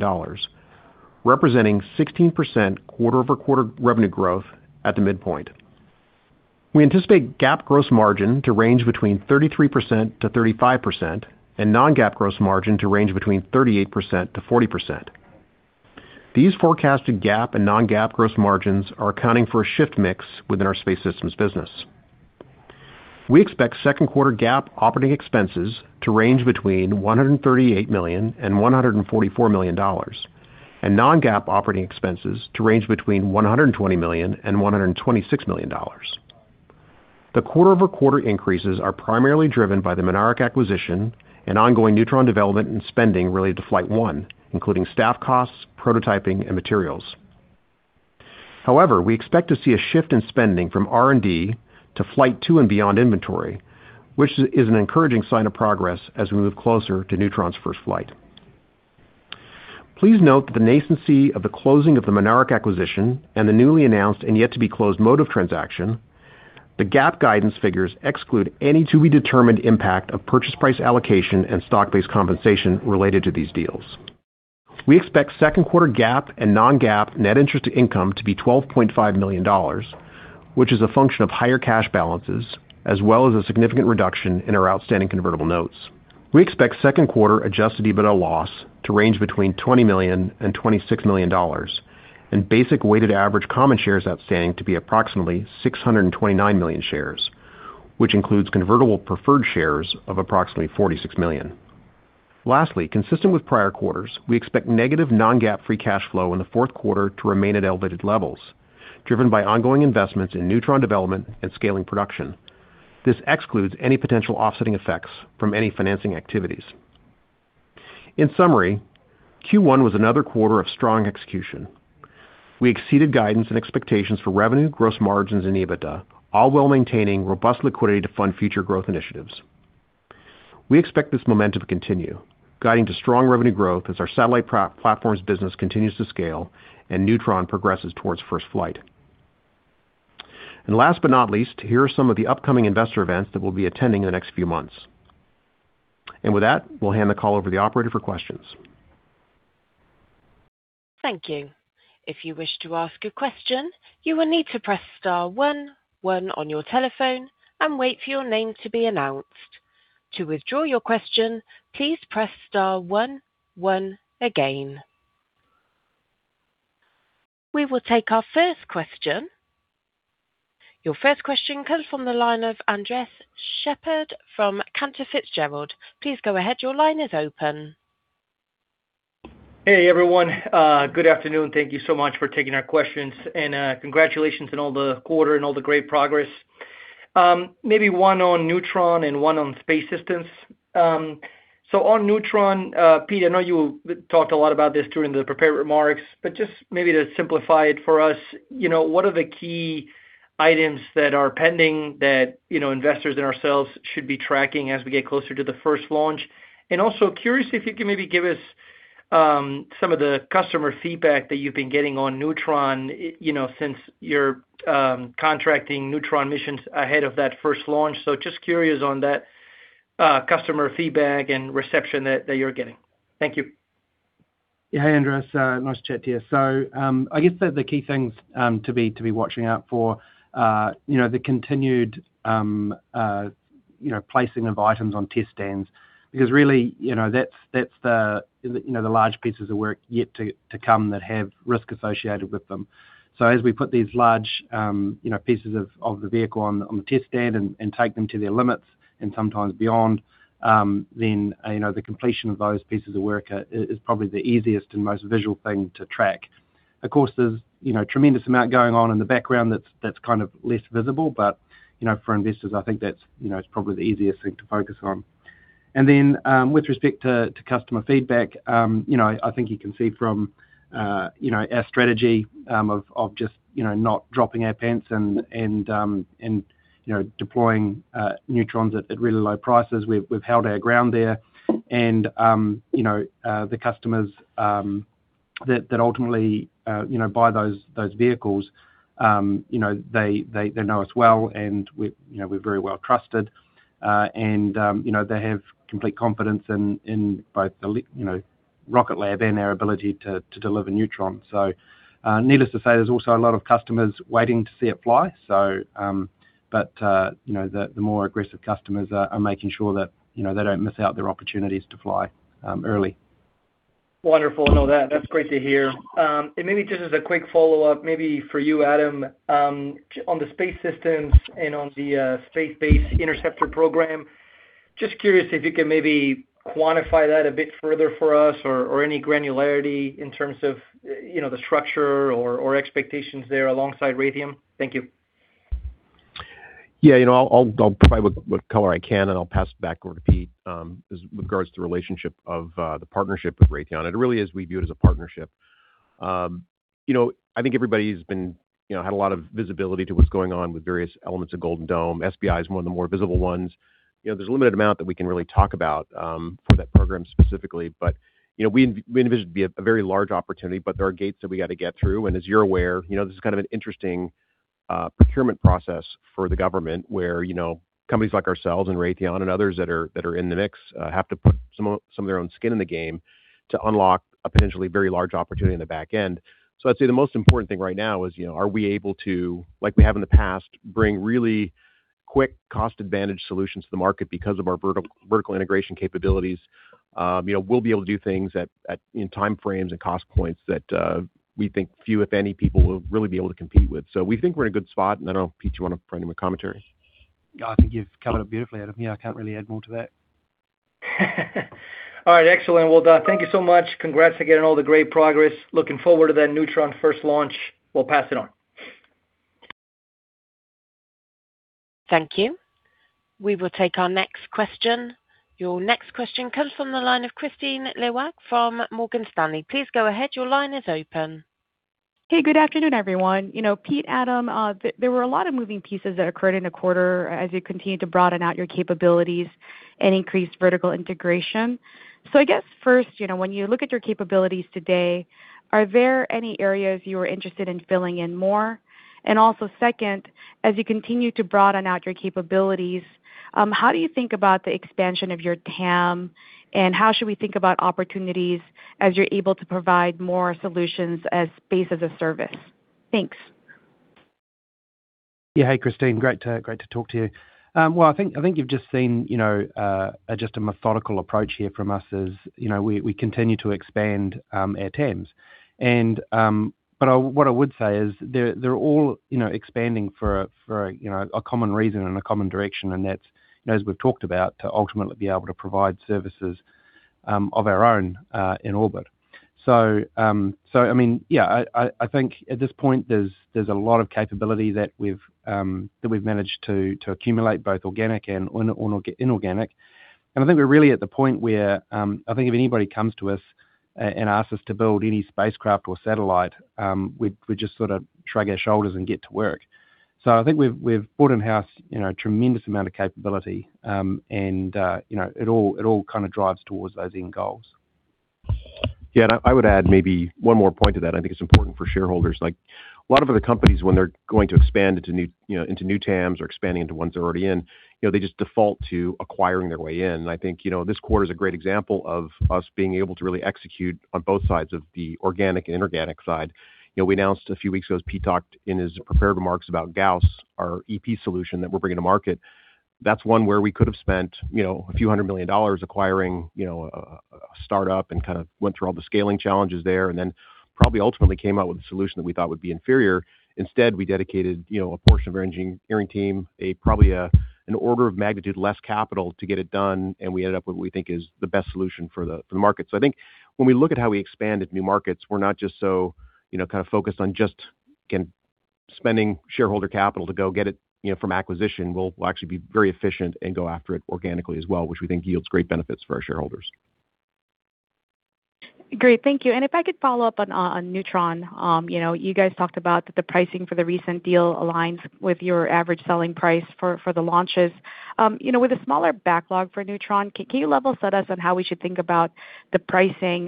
representing 16% quarter-over-quarter revenue growth at the midpoint. We anticipate GAAP gross margin to range between 33%-35% and non-GAAP gross margin to range between 38%-40%. These forecasted GAAP and non-GAAP gross margins are accounting for a shift mix within our Space Systems business. We expect second quarter GAAP operating expenses to range between $138 million and $144 million and non-GAAP operating expenses to range between $120 million and $126 million. The quarter-over-quarter increases are primarily driven by the Mynaric acquisition and ongoing Neutron development and spending related to Flight 1, including staff costs, prototyping, and materials. We expect to see a shift in spending from R&D to Flight 2 and beyond inventory, which is an encouraging sign of progress as we move closer to Neutron's first flight. Please note that the nascency of the closing of the Mynaric acquisition and the newly announced and yet to be closed Motiv transaction, the GAAP guidance figures exclude any to-be-determined impact of purchase price allocation and stock-based compensation related to these deals. We expect second quarter GAAP and non-GAAP net interest income to be $12.5 million, which is a function of higher cash balances as well as a significant reduction in our outstanding convertible notes. We expect second quarter adjusted EBITDA loss to range between $20 million and $26 million and basic weighted average common shares outstanding to be approximately 629 million shares, which includes convertible preferred shares of approximately 46 million. Lastly, consistent with prior quarters, we expect negative non-GAAP free cash flow in the fourth quarter to remain at elevated levels, driven by ongoing investments in Neutron development and scaling production. This excludes any potential offsetting effects from any financing activities. In summary, Q1 was another quarter of strong execution. We exceeded guidance and expectations for revenue, gross margins and EBITDA, all while maintaining robust liquidity to fund future growth initiatives. We expect this momentum to continue, guiding to strong revenue growth as our satellite platforms business continues to scale and Neutron progresses towards first flight. Last but not least, here are some of the upcoming investor events that we'll be attending in the next few months. With that, we'll hand the call over to the operator for questions. Thank you. If you wish to ask a question, you will need to press Star one one on your telephone and wait for your name to be announced. To withdraw your question, please press Star one one again. We will take our first question. Your first question comes from the line of Andres Sheppard from Cantor Fitzgerald. Please go ahead. Your line is open. Hey, everyone. Good afternoon. Thank you so much for taking our questions. Congratulations on all the quarter and all the great progress. Maybe one on Neutron and one on Space Systems. On Neutron, Peter Beck, I know you talked a lot about this during the prepared remarks, but just maybe to simplify it for us, you know, what are the key items that are pending that, you know, investors and ourselves should be tracking as we get closer to the first launch? Also curious if you can maybe give us some of the customer feedback that you've been getting on Neutron, you know, since you're contracting Neutron missions ahead of that first launch. Just curious on that customer feedback and reception that you're getting. Thank you. Yeah. Hey, Andres. Nice to chat to you. I guess the key things to be watching out for, you know, the continued, you know, placing of items on test stands because really, you know, that's the, you know, the large pieces of work yet to come that have risk associated with them. As we put these large, you know, pieces of the vehicle on the test stand and take them to their limits and sometimes beyond, then, you know, the completion of those pieces of work is probably the easiest and most visual thing to track. Of course, there's, you know, tremendous amount going on in the background that's kind of less visible. You know, for investors, I think that's, you know, it's probably the easiest thing to focus on. With respect to customer feedback, you know, I think you can see from, you know, our strategy, of just, you know, not dropping our pants and, you know, deploying Neutrons at really low prices. We've held our ground there. You know, the customers that ultimately, you know, buy those vehicles, you know, they know us well, and we're, you know, we're very well trusted. You know, they have complete confidence in both the, you know, Rocket Lab and our ability to deliver Neutron. Needless to say, there's also a lot of customers waiting to see it fly. You know, the more aggressive customers are making sure that, you know, they don't miss out their opportunities to fly, early. Wonderful. No, that's great to hear. Maybe just as a quick follow-up, maybe for you, Adam, on the Space Systems and on the Space-Based Interceptor program, just curious if you can maybe quantify that a bit further for us or any granularity in terms of, you know, the structure or expectations there alongside Raytheon. Thank you. Yeah, you know, I'll provide what color I can, and I'll pass it back over to Pete as regards to the relationship of the partnership with Raytheon. It really is we view it as a partnership. You know, I think everybody's been, you know, had a lot of visibility to what's going on with various elements of Golden Dome. SDA is one of the more visible ones. You know, there's a limited amount that we can really talk about for that program specifically. You know, we envisage it to be a very large opportunity, but there are gates that we got to get through. As you're aware, you know, this is kind of an interesting procurement process for the government where, you know, companies like ourselves and Raytheon and others that are in the mix have to put some of their own skin in the game to unlock a potentially very large opportunity in the back end. I'd say the most important thing right now is, you know, are we able to, like we have in the past, bring really quick cost advantage solutions to the market because of our vertical integration capabilities? You know, we'll be able to do things in time frames and cost points that we think few, if any, people will really be able to compete with. We think we're in a good spot. I don't know, Pete, you wanna provide any more commentary? I think you've covered it beautifully, Adam. Yeah, I can't really add more to that. All right, excellent. Well, thank you so much. Congrats again, all the great progress. Looking forward to that Neutron first launch. We'll pass it on. Thank you. We will take our next question. Your next question comes from the line of Kristine Liwag from Morgan Stanley. Please go ahead. Your line is open. Hey, good afternoon, everyone. You know, Peter Beck, Adam Spice, there were a lot of moving pieces that occurred in the quarter as you continued to broaden out your capabilities and increase vertical integration. I guess first, you know, when you look at your capabilities today, are there any areas you are interested in filling in more? Also second, as you continue to broaden out your capabilities, how do you think about the expansion of your TAM, and how should we think about opportunities as you're able to provide more solutions as space as a service? Thanks. Hey, Kristine. Great to talk to you. Well, I think you've just seen, you know, a methodical approach here from us as, you know, we continue to expand our TAMs. What I would say is they're all, you know, expanding for a common reason and a common direction. That's, you know, as we've talked about, to ultimately be able to provide services of our own in orbit. I mean, I think at this point there's a lot of capability that we've managed to accumulate both organic and inorganic. I think we're really at the point where I think if anybody comes to us and asks us to build any spacecraft or satellite, we'd just sort of shrug our shoulders and get to work. I think we've brought in-house, you know, a tremendous amount of capability, and, you know, it all kind of drives towards those end goals. Yeah. I would add maybe one more point to that. I think it's important for shareholders. Like, a lot of other companies, when they're going to expand into new, you know, into new TAMs or expanding into ones they're already in, you know, they just default to acquiring their way in. I think, you know, this quarter is a great example of us being able to really execute on both sides of the organic and inorganic side. You know, we announced a few weeks ago, as Pete talked in his prepared remarks about Gauss, our EP solution that we're bringing to market. That's one where we could have spent, you know, a few hundred million dollars acquiring, you know, a startup and kind of went through all the scaling challenges there, and then probably ultimately came out with a solution that we thought would be inferior. Instead, we dedicated, you know, a portion of our engineering team, an order of magnitude less capital to get it done, and we ended up with what we think is the best solution for the, for the market. I think when we look at how we expand into new markets, we're not just so, you know, kind of focused on just again spending shareholder capital to go get it, you know, from acquisition. We'll actually be very efficient and go after it organically as well, which we think yields great benefits for our shareholders. Great. Thank you. If I could follow up on Neutron. You know, you guys talked about the pricing for the recent deal aligns with your average selling price for the launches. You know, with a smaller backlog for Neutron, can you level set us on how we should think about the pricing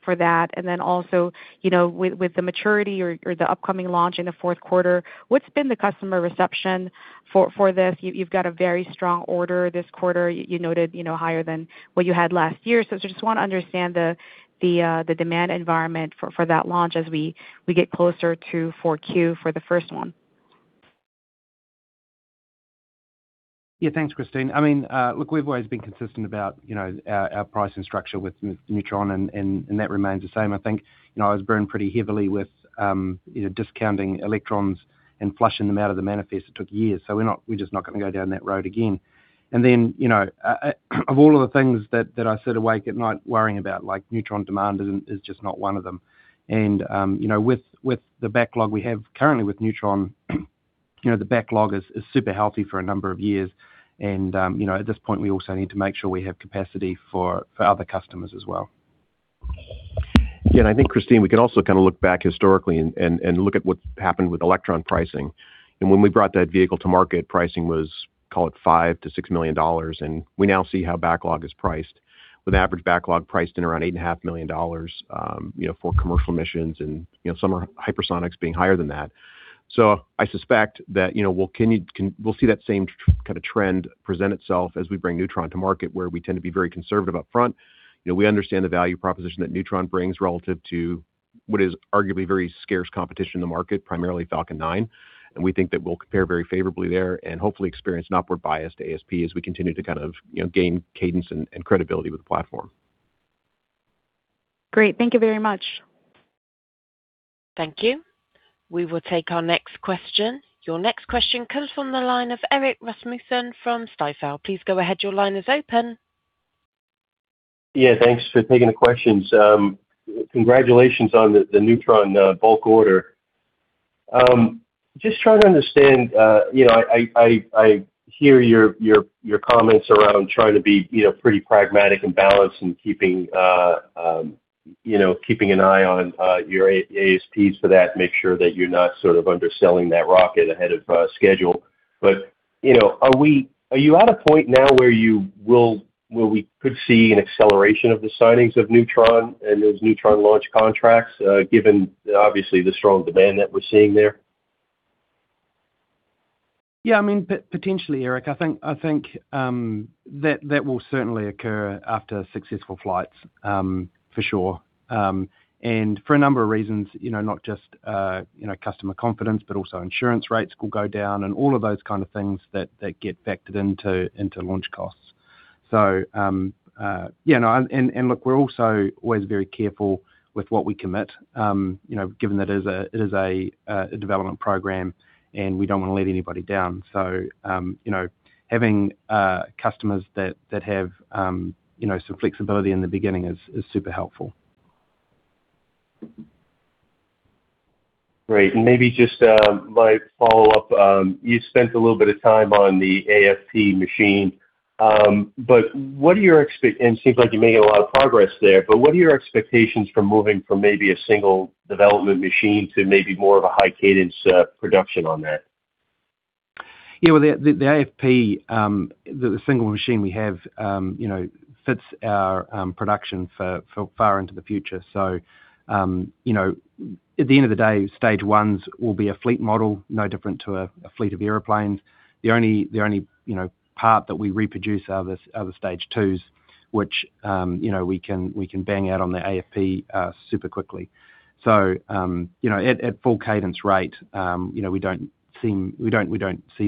for that? Also, you know, with the maturity or the upcoming launch in the fourth quarter, what's been the customer reception for this? You've got a very strong order this quarter. You noted, you know, higher than what you had last year. I just want to understand the demand environment for that launch as we get closer to Q4 for the first one. Thanks, Kristine. I mean, look, we've always been consistent about, you know, our pricing structure with Neutron and that remains the same. I think, you know, I was burned pretty heavily with, you know, discounting Electrons and flushing them out of the manifest. It took years. We're just not going to go down that road again. You know, of all of the things that I sit awake at night worrying about, like, Neutron demand is just not one of them. You know, with the backlog we have currently with Neutron, you know, the backlog is super healthy for a number of years. You know, at this point, we also need to make sure we have capacity for other customers as well. I think, Kristine, we can also kind of look back historically and look at what happened with Electron pricing. When we brought that vehicle to market, pricing was, call it $5 million-$6 million. We now see how backlog is priced, with average backlog priced in around $8.5 million, you know, for commercial missions and, you know, some are hypersonics being higher than that. I suspect that, you know, we'll see that same kind of trend present itself as we bring Neutron to market, where we tend to be very conservative up front. You know, we understand the value proposition that Neutron brings relative to what is arguably very scarce competition in the market, primarily Falcon 9, and we think that we'll compare very favorably there and hopefully experience an upward bias to ASP as we continue to kind of, you know, gain cadence and credibility with the platform. Great. Thank you very much. Thank you. We will take our next question. Your next question comes from the line of Erik Rasmussen from Stifel. Please go ahead. Your line is open. Thanks for taking the questions. Congratulations on the Neutron bulk order. Just trying to understand, you know, I hear your comments around trying to be, you know, pretty pragmatic and balanced and keeping, you know, keeping an eye on your ASPs for that, make sure that you're not sort of underselling that rocket ahead of schedule. You know, are you at a point now where we could see an acceleration of the signings of Neutron and those Neutron launch contracts, given obviously the strong demand that we're seeing there? I mean, potentially, Erik. I think, that will certainly occur after successful flights, for sure. For a number of reasons, you know, not just, you know, customer confidence, but also insurance rates will go down and all of those kind of things that get factored into launch costs. Look, we're also always very careful with what we commit, you know, given that it is a development program, and we don't wanna let anybody down. Having customers that have, you know, some flexibility in the beginning is super helpful. Great. Maybe just, my follow-up, you spent a little bit of time on the AFP machine. It seems like you're making a lot of progress there, but what are your expectations for moving from maybe a 1 development machine to maybe more of a high cadence, production on that? Well, the AFP, the single machine we have, you know, fits our production for far into the future. You know, at the end of the day, Stage 1s will be a fleet model, no different to a fleet of airplanes. The only, you know, part that we reproduce are the Stage 2s, which, you know, we can bang out on the AFP super quickly. You know, at full cadence rate, you know, we don't see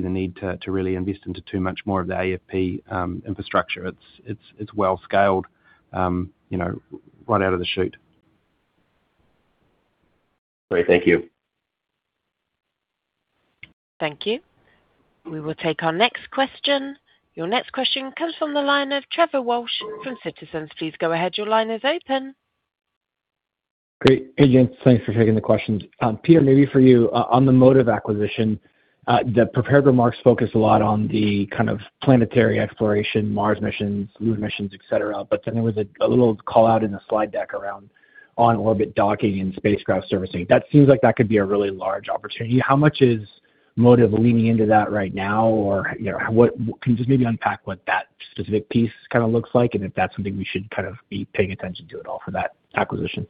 the need to really invest into too much more of the AFP infrastructure. It's well scaled, you know, right out of the chute. Great. Thank you. Thank you. We will take our next question. Your next question comes from the line of Trevor Walsh from Citizens. Please go ahead. Your line is open. Great. Hey, gents. Thanks for taking the questions. Peter, maybe for you, on the Motiv acquisition, the prepared remarks focus a lot on the kind of planetary exploration, Mars missions, moon missions, et cetera. There was a little call-out in the Slide deck around on orbit docking and spacecraft servicing. That seems like that could be a really large opportunity. How much is Motiv leaning into that right now? You know, can you just maybe unpack what that specific piece kind of looks like, and if that's something we should kind of be paying attention to at all for that acquisition?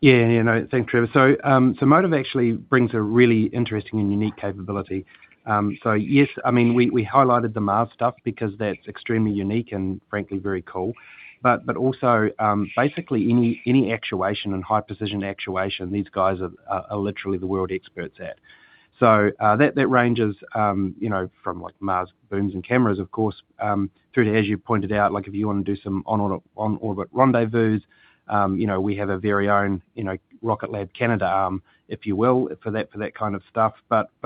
Yeah. Yeah, no. Thanks, Trevor. Motiv actually brings a really interesting and unique capability. Yes, I mean, we highlighted the Mars stuff because that's extremely unique and frankly very cool. Also, basically any actuation and high precision actuation, these guys are literally the world experts at. That ranges, you know, from like Mars booms and cameras, of course, through to, as you pointed out, like if you wanna do some on orbit rendezvous, you know, we have our very own, you know, Rocket Lab Canada, if you will, for that kind of stuff.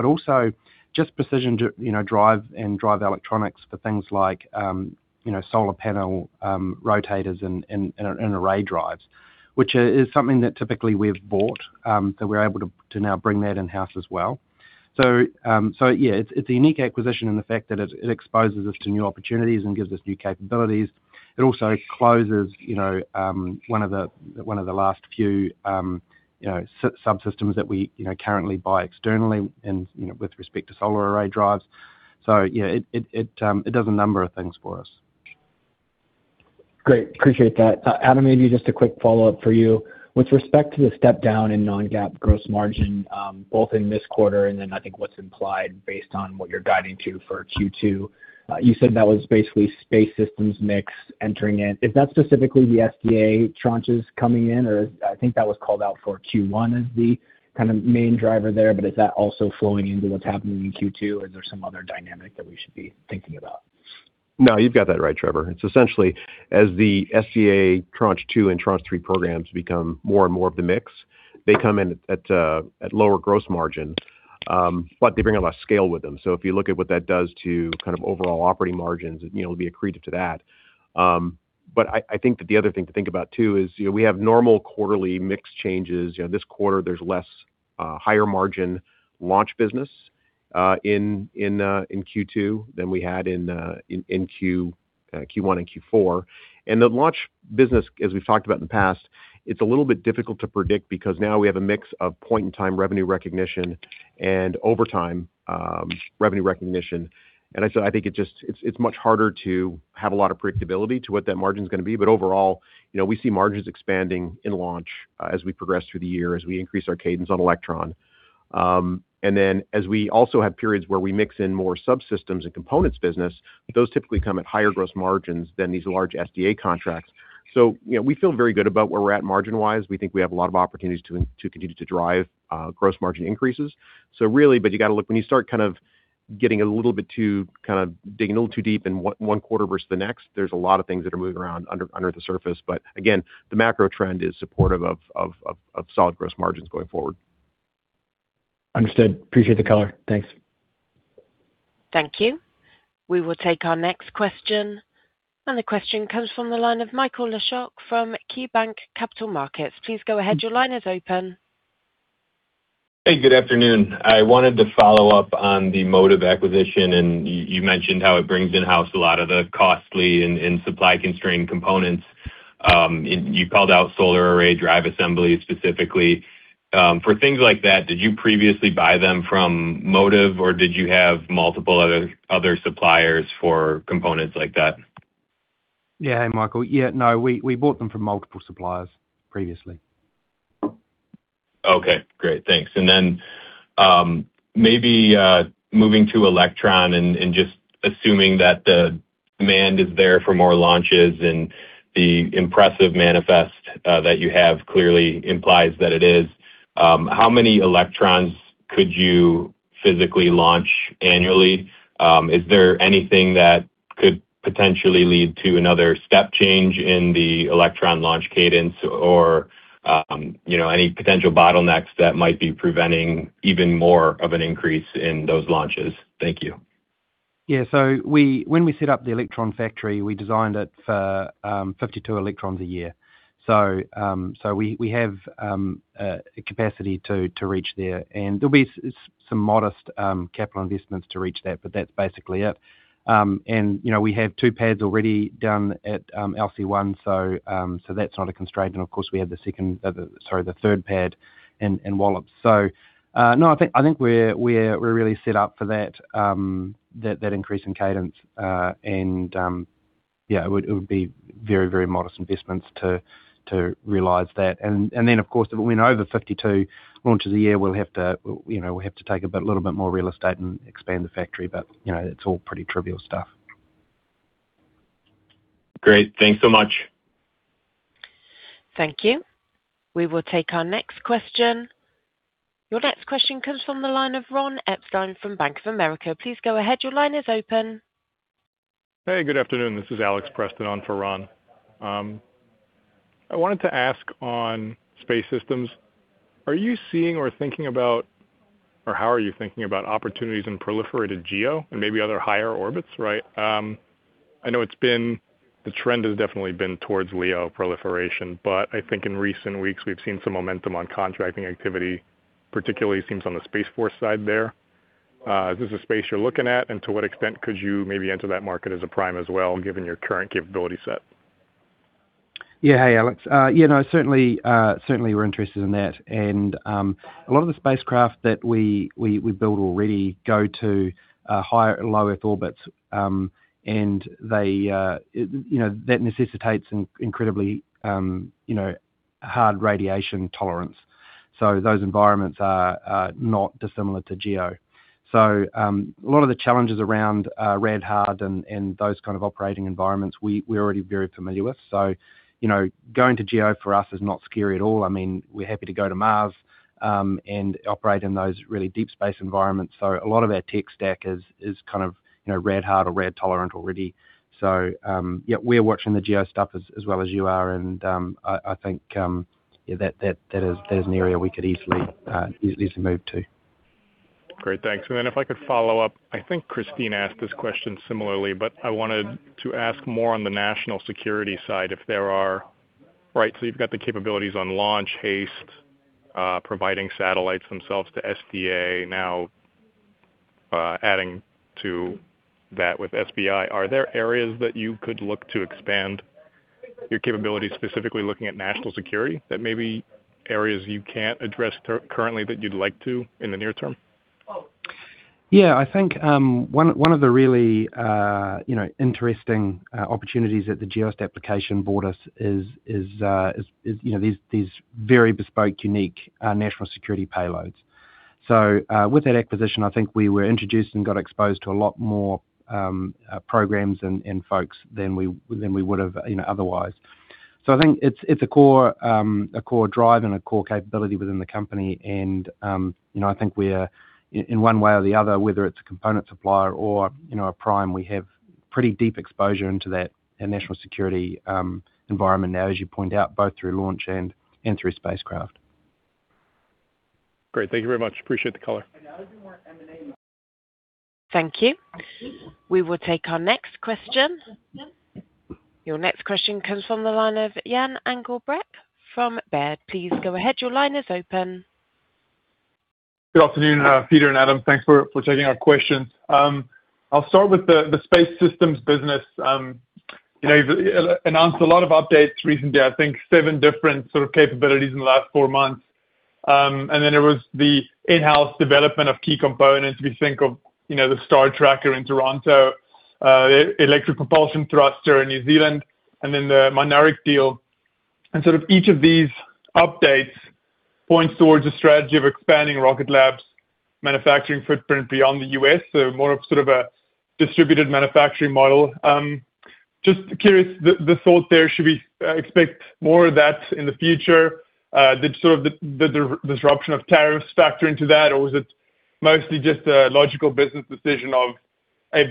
Also just precision you know, drive and drive electronics for things like, you know, solar panel rotators and array drives, which is something that typically we've bought, that we're able to now bring that in-house as well. Yeah, it's a unique acquisition in the fact that it exposes us to new opportunities and gives us new capabilities. It also closes, you know, one of the last few, you know, subsystems that we, you know, currently buy externally and, you know, with respect to solar array drives. Yeah, it does a number of things for us. Great. Appreciate that. Adam, maybe just a quick follow-up for you. With respect to the step down in non-GAAP gross margin, both in this quarter and then I think what's implied based on what you're guiding to for Q2, you said that was basically Space Systems mix entering in. Is that specifically the SDA tranches coming in? I think that was called out for Q1 as the kind of main driver there, but is that also flowing into what's happening in Q2? Is there some other dynamic that we should be thinking about? No, you've got that right, Trevor. It's essentially as the SDA Tranche 2 and Tranche 3 programs become more and more of the mix, they come in at lower gross margin. They bring a lot of scale with them. If you look at what that does to kind of overall operating margins, you know, it'll be accretive to that. I think that the other thing to think about too is, you know, we have normal quarterly mix changes. You know, this quarter there's less higher margin launch business in Q2 than we had in Q1 and Q4. The launch business, as we've talked about in the past, it's a little bit difficult to predict because now we have a mix of point-in-time revenue recognition and over time revenue recognition. I said I think it's much harder to have a lot of predictability to what that margin's going to be. Overall, you know, we see margins expanding in launch, as we progress through the year, as we increase our cadence on Electron. As we also have periods where we mix in more subsystems and components business, those typically come at higher gross margins than these large SDA contracts. You know, we feel very good about where we're at margin wise. We think we have a lot of opportunities to continue to drive gross margin increases. You got to look when you start getting a little bit too, digging a little too deep in 1 quarter versus the next. There's a lot of things that are moving around under the surface. Again, the macro trend is supportive of solid gross margins going forward. Understood. Appreciate the color. Thanks. Thank you. We will take our next question. The question comes from the line of Michael Leshock from KeyBanc Capital Markets. Please go ahead. Your line is open. Hey, good afternoon. I wanted to follow up on the Motiv acquisition. You mentioned how it brings in-house a lot of the costly and supply constrained components. You called out solar array drive assembly specifically. For things like that, did you previously buy them from Motiv, or did you have multiple other suppliers for components like that? Yeah. Hey, Michael. Yeah. No, we bought them from multiple suppliers previously. Okay, great. Thanks. Maybe moving to Electron and just assuming that the demand is there for more launches and the impressive manifest that you have clearly implies that it is. How many Electrons could you physically launch annually? Is there anything that could potentially lead to another step change in the Electron launch cadence or, you know, any potential bottlenecks that might be preventing even more of an increase in those launches? Thank you. Yeah. When we set up the Electron factory, we designed it for 52 Electrons a year. We have a capacity to reach there, and there'll be some modest capital investments to reach that, but that's basically it. You know, we have two pads already done at LC One, that's not a constraint, and of course, we have the 3rd pad in Wallops. I think we're really set up for that increase in cadence. Yeah, it would be very modest investments to realize that. Of course, if we went over 52 launches a year, we'll have to, you know, we'll have to take a bit, a little bit more real estate and expand the factory, but, you know, that's all pretty trivial stuff. Great. Thanks so much. Thank you. We will take our next question. Your next question comes from the line of Ron Epstein from Bank of America. Please go ahead. Hey, good afternoon. This is Alex Preston on for Ron. I wanted to ask on Space Systems, are you seeing or thinking about or how are you thinking about opportunities in proliferated GEO and maybe other higher orbits, right? I know the trend has definitely been towards LEO proliferation, I think in recent weeks we've seen some momentum on contracting activity, particularly it seems on the Space Force side there. Is this a space you're looking at? To what extent could you maybe enter that market as a prime as well, given your current capability set? Hey, Alex. You know, certainly we're interested in that. A lot of the spacecraft that we build already go to higher, Low Earth orbits. They, you know, that necessitates an incredibly, you know, hard radiation tolerance. Those environments are not dissimilar to GEO. A lot of the challenges around rad hard and those kind of operating environments we're already very familiar with. You know, going to GEO for us is not scary at all. I mean, we're happy to go to Mars and operate in those really deep space environments. A lot of our tech stack is kind of, you know, rad hard or rad tolerant already. We're watching the GEO stuff as well as you are. I think, yeah, that is an area we could easily move to. Great. Thanks. If I could follow up. I think Kristine asked this question similarly. Right. You've got the capabilities on launch HASTE, providing satellites themselves to SDA now, adding to that with SBI. Are there areas that you could look to expand your capabilities, specifically looking at national security that may be areas you can't address currently that you'd like to in the near term? Yeah, I think, one of the really, you know, interesting opportunities that the Geost acquisition brought us is, you know, these very bespoke, unique, national security payloads. With that acquisition, I think we were introduced and got exposed to a lot more programs and folks than we would have, you know, otherwise. I think it's a core drive and a core capability within the company. You know, I think we are in one way or the other, whether it's a component supplier or, you know, a prime, we have pretty deep exposure into that, our national security, environment now, as you point out, both through launch and through spacecraft. Great. Thank you very much. Appreciate the color. Thank you. We will take our next question. Your next question comes from the line of Jan-Frans Engelbrecht from Baird. Please go ahead. Your line is open. Good afternoon, Peter and Adam. Thanks for taking our questions. I'll start with the Space Systems business. You know, you've announced a lot of updates recently. I think seven different sort of capabilities in the last four months. And then there was the in-house development of key components. We think of, you know, the Star Tracker in Toronto, electric propulsion thruster in New Zealand, and then the Mynaric deal. Sort of each of these updates points towards a strategy of expanding Rocket Lab's manufacturing footprint beyond the U.S. More of sort of a distributed manufacturing model. Just curious the thought there. Should we expect more of that in the future? Did sort of the disruption of tariffs factor into that, or was it mostly just a logical business decision of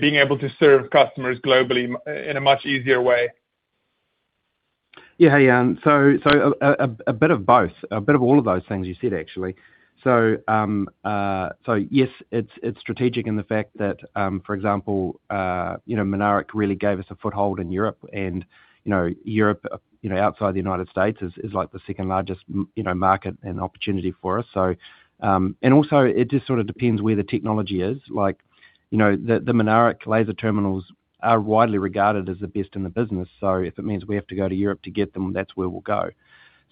being able to serve customers globally in a much easier way? Yeah. Hey, Jan. A bit of both. A bit of all of those things you said, actually. Yes, it's strategic in the fact that, for example, you know, Mynaric really gave us a foothold in Europe and, you know, Europe outside the United States is like the second-largest you know, market and opportunity for us. If it means we have to go to Europe to get them, that's where we'll go.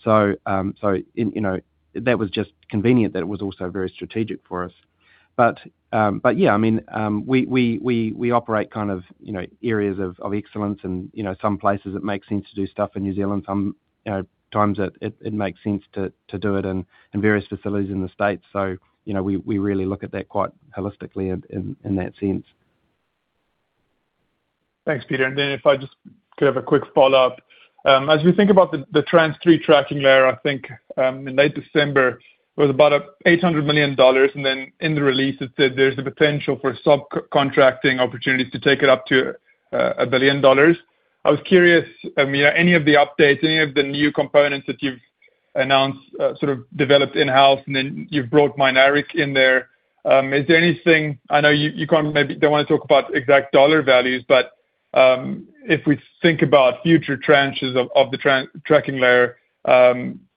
You know, that was just convenient, that it was also very strategic for us. Yeah, I mean, we operate kind of, you know, areas of excellence and, you know, some places it makes sense to do stuff in New Zealand, some, you know, times it makes sense to do it in various facilities in the States. You know, we really look at that quite holistically in that sense. Thanks, Peter. Then if I just could have a quick follow-up. As we think about the Tranche three tracking layer, I think, in late December was about $800 million. Then in the release it said there's the potential for sub-contracting opportunities to take it up to $1 billion. I was curious, I mean, are any of the updates, any of the new components that you've announced, sort of developed in-house, and then you've brought Mynaric in there? Is there anything I know you can't maybe don't wanna talk about exact dollar values, but, if we think about future tranches of the tracking layer,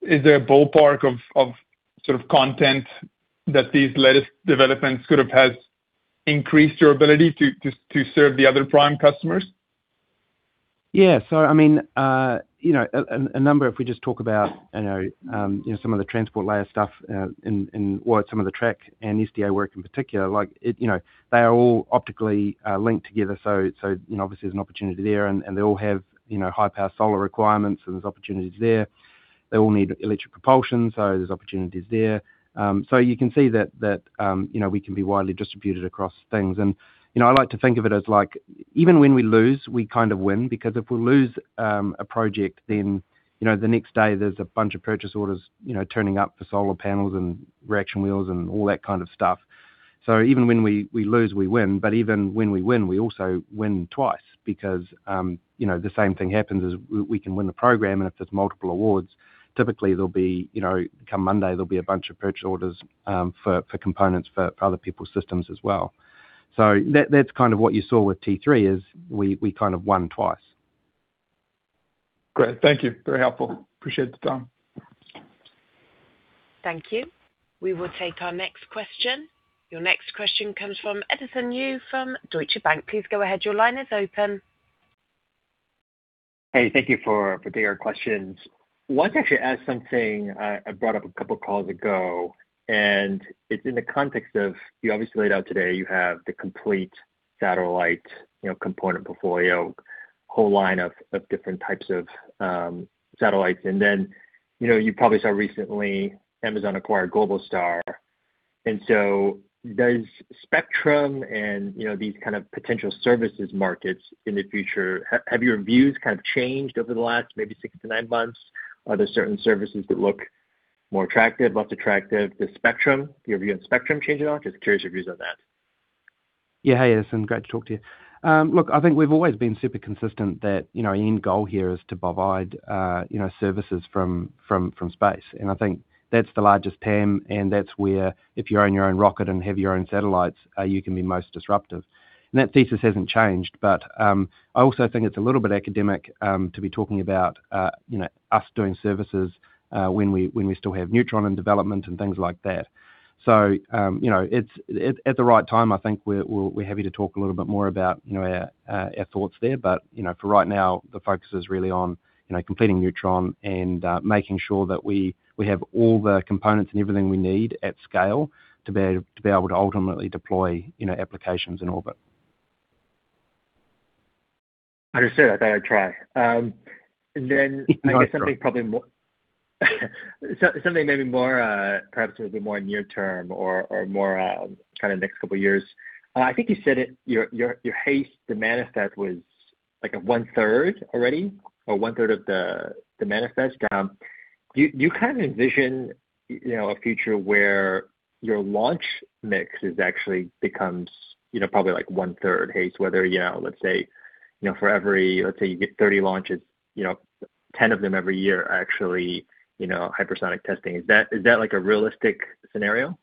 is there a ballpark of sort of content that these latest developments could have has increased your ability to serve the other prime customers? Yeah. I mean, you know, a number, if we just talk about, you know, you know, some of the transport layer stuff, and some of the track and SDA work in particular, like it, you know, they are all optically linked together. So, you know, obviously there's an opportunity there and they all have, you know, high power solar requirements and there's opportunities there. They all need electric propulsion, there's opportunities there. You can see that, you know, we can be widely distributed across things. You know, I like to think of it as like even when we lose, we kind of win because if we lose a project, then, you know, the next day there's a bunch of purchase orders, you know, turning up for solar panels and reaction wheels and all that kind of stuff. Even when we lose, we win. Even when we win, we also win twice because, you know, the same thing happens is we can win the program, and if there's multiple awards, typically there'll be, you know, come Monday, there'll be a bunch of purchase orders for components for other people's systems as well. That's kind of what you saw with Tranche three is we kind of won twice. Great. Thank you. Very helpful. Appreciate the time. Thank you. We will take our next question. Your next question comes from Edison Yu from Deutsche Bank. Please go ahead. Hey, thank you for taking our questions. Wanted to actually ask something I brought up a couple of calls ago, and it's in the context of you obviously laid out today you have the complete satellite, you know, component portfolio, whole line of different types of satellites. Then, you know, you probably saw recently Amazon acquired Globalstar. Does spectrum and, you know, these kind of potential services markets in the future, have your views kind of changed over the last maybe six to nine months? Are there certain services that look more attractive, less attractive? The spectrum, your view on spectrum change at all? Just curious your views on that. Hey, Edison. Great to talk to you. Look, I think we've always been super consistent that, you know, our end goal here is to provide, you know, services from space. I think that's the largest TAM, and that's where if you own your own rocket and have your own satellites, you can be most disruptive. That thesis hasn't changed. I also think it's a little bit academic to be talking about, you know, us doing services when we still have Neutron in development and things like that. You know, at the right time, I think we're happy to talk a little bit more about, you know, our thoughts there. You know, for right now the focus is really on, you know, completing Neutron and making sure that we have all the components and everything we need at scale to be able to ultimately deploy, you know, applications in orbit. Understood. I thought I'd try. No, it's great. Something probably more?. something maybe more, perhaps a bit more near term or more kind of next couple years. I think you said it your HASTE manifest was like a 1/3 already or 1/3 of the manifest. Do you kind of envision, you know, a future where your launch mix actually becomes, you know, probably like 1/3 HASTE, whether, you know, let's say, you know, for every, let's say you get 30 launches, you know, 10 of them every year are actually, you know, hypersonic testing. Is that like a realistic scenario?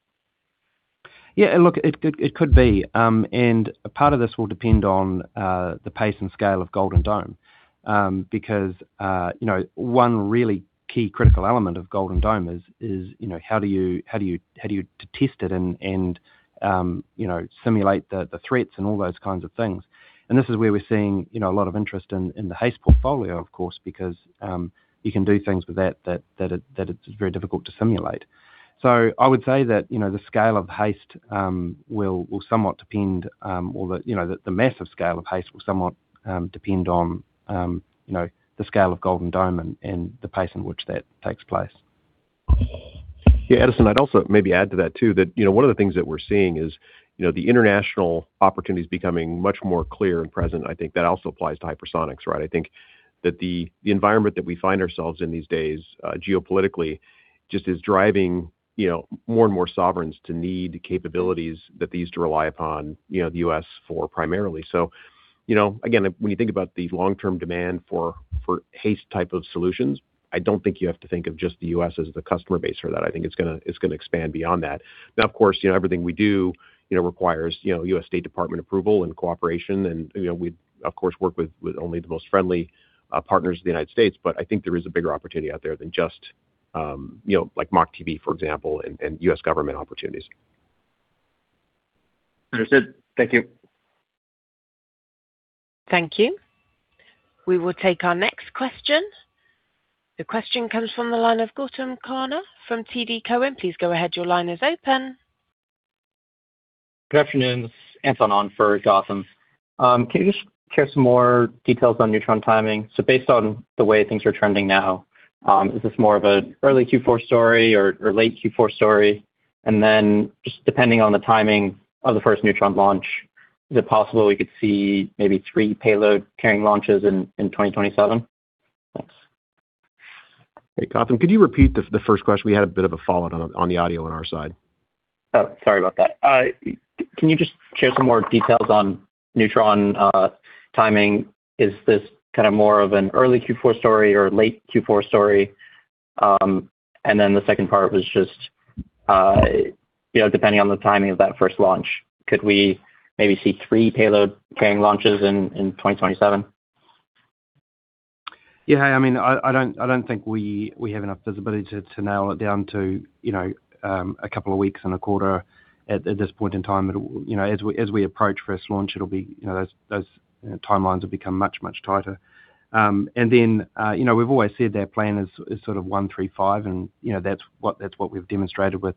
Yeah, look, it could be. Part of this will depend on the pace and scale of Golden Dome, because, you know, one really key critical element of Golden Dome is, you know, how do you test it and, you know, simulate the threats and all those kinds of things. This is where we're seeing, you know, a lot of interest in the HASTE portfolio of course, because you can do things with that it's very difficult to simulate. I would say that, you know, the scale of HASTE will somewhat depend, or the massive scale of HASTE will somewhat depend on, you know, the scale of Golden Dome and the pace in which that takes place. Yeah, Edison, I'd also maybe add to that too, that, you know, one of the things that we're seeing is, you know, the international opportunities becoming much more clear and present. I think that also applies to hypersonics, right? I think that the environment that we find ourselves in these days, geopolitically just is driving, you know, more and more sovereigns to need capabilities that they used to rely upon, you know, the U.S. for primarily. You know, again, when you think about the long-term demand for HASTE type of solutions, I don't think you have to think of just the U.S. as the customer base for that. I think it's gonna expand beyond that. Of course, you know, everything we do, you know, requires, you know, U.S. State Department approval and cooperation and, you know, we of course work with only the most friendly partners of the United States. I think there is a bigger opportunity out there than just, you know, like MACH-TB, for example, and U.S. government opportunities. Understood. Thank you. Thank you. We will take our next question. The question comes from the line of Gautam Khanna from TD Cowen. Please go ahead. Your line is open. Good afternoon. This is Anton on for Gautam. Can you just share some more details on Neutron timing? Based on the way things are trending now, is this more of a early Q4 story or late Q4 story? Just depending on the timing of the first Neutron launch, is it possible we could see maybe three payload carrying launches in 2027? Thanks. Hey, Gautam, could you repeat the first question? We had a bit of a fallout on the audio on our side. Oh, sorry about that. Can you just share some more details on Neutron timing? Is this kind of more of an early Q4 story or late Q4 story? The second part was just, you know, depending on the timing of that first launch, could we maybe see three payload carrying launches in 2027? Yeah. I mean, I don't think we have enough visibility to nail it down to, you know, a couple of weeks and a quarter at this point in time. It'll, you know, as we approach first launch, it'll be, you know, those timelines will become much tighter. Then, you know, we've always said our plan is sort of one, three, five and, you know, that's what we've demonstrated with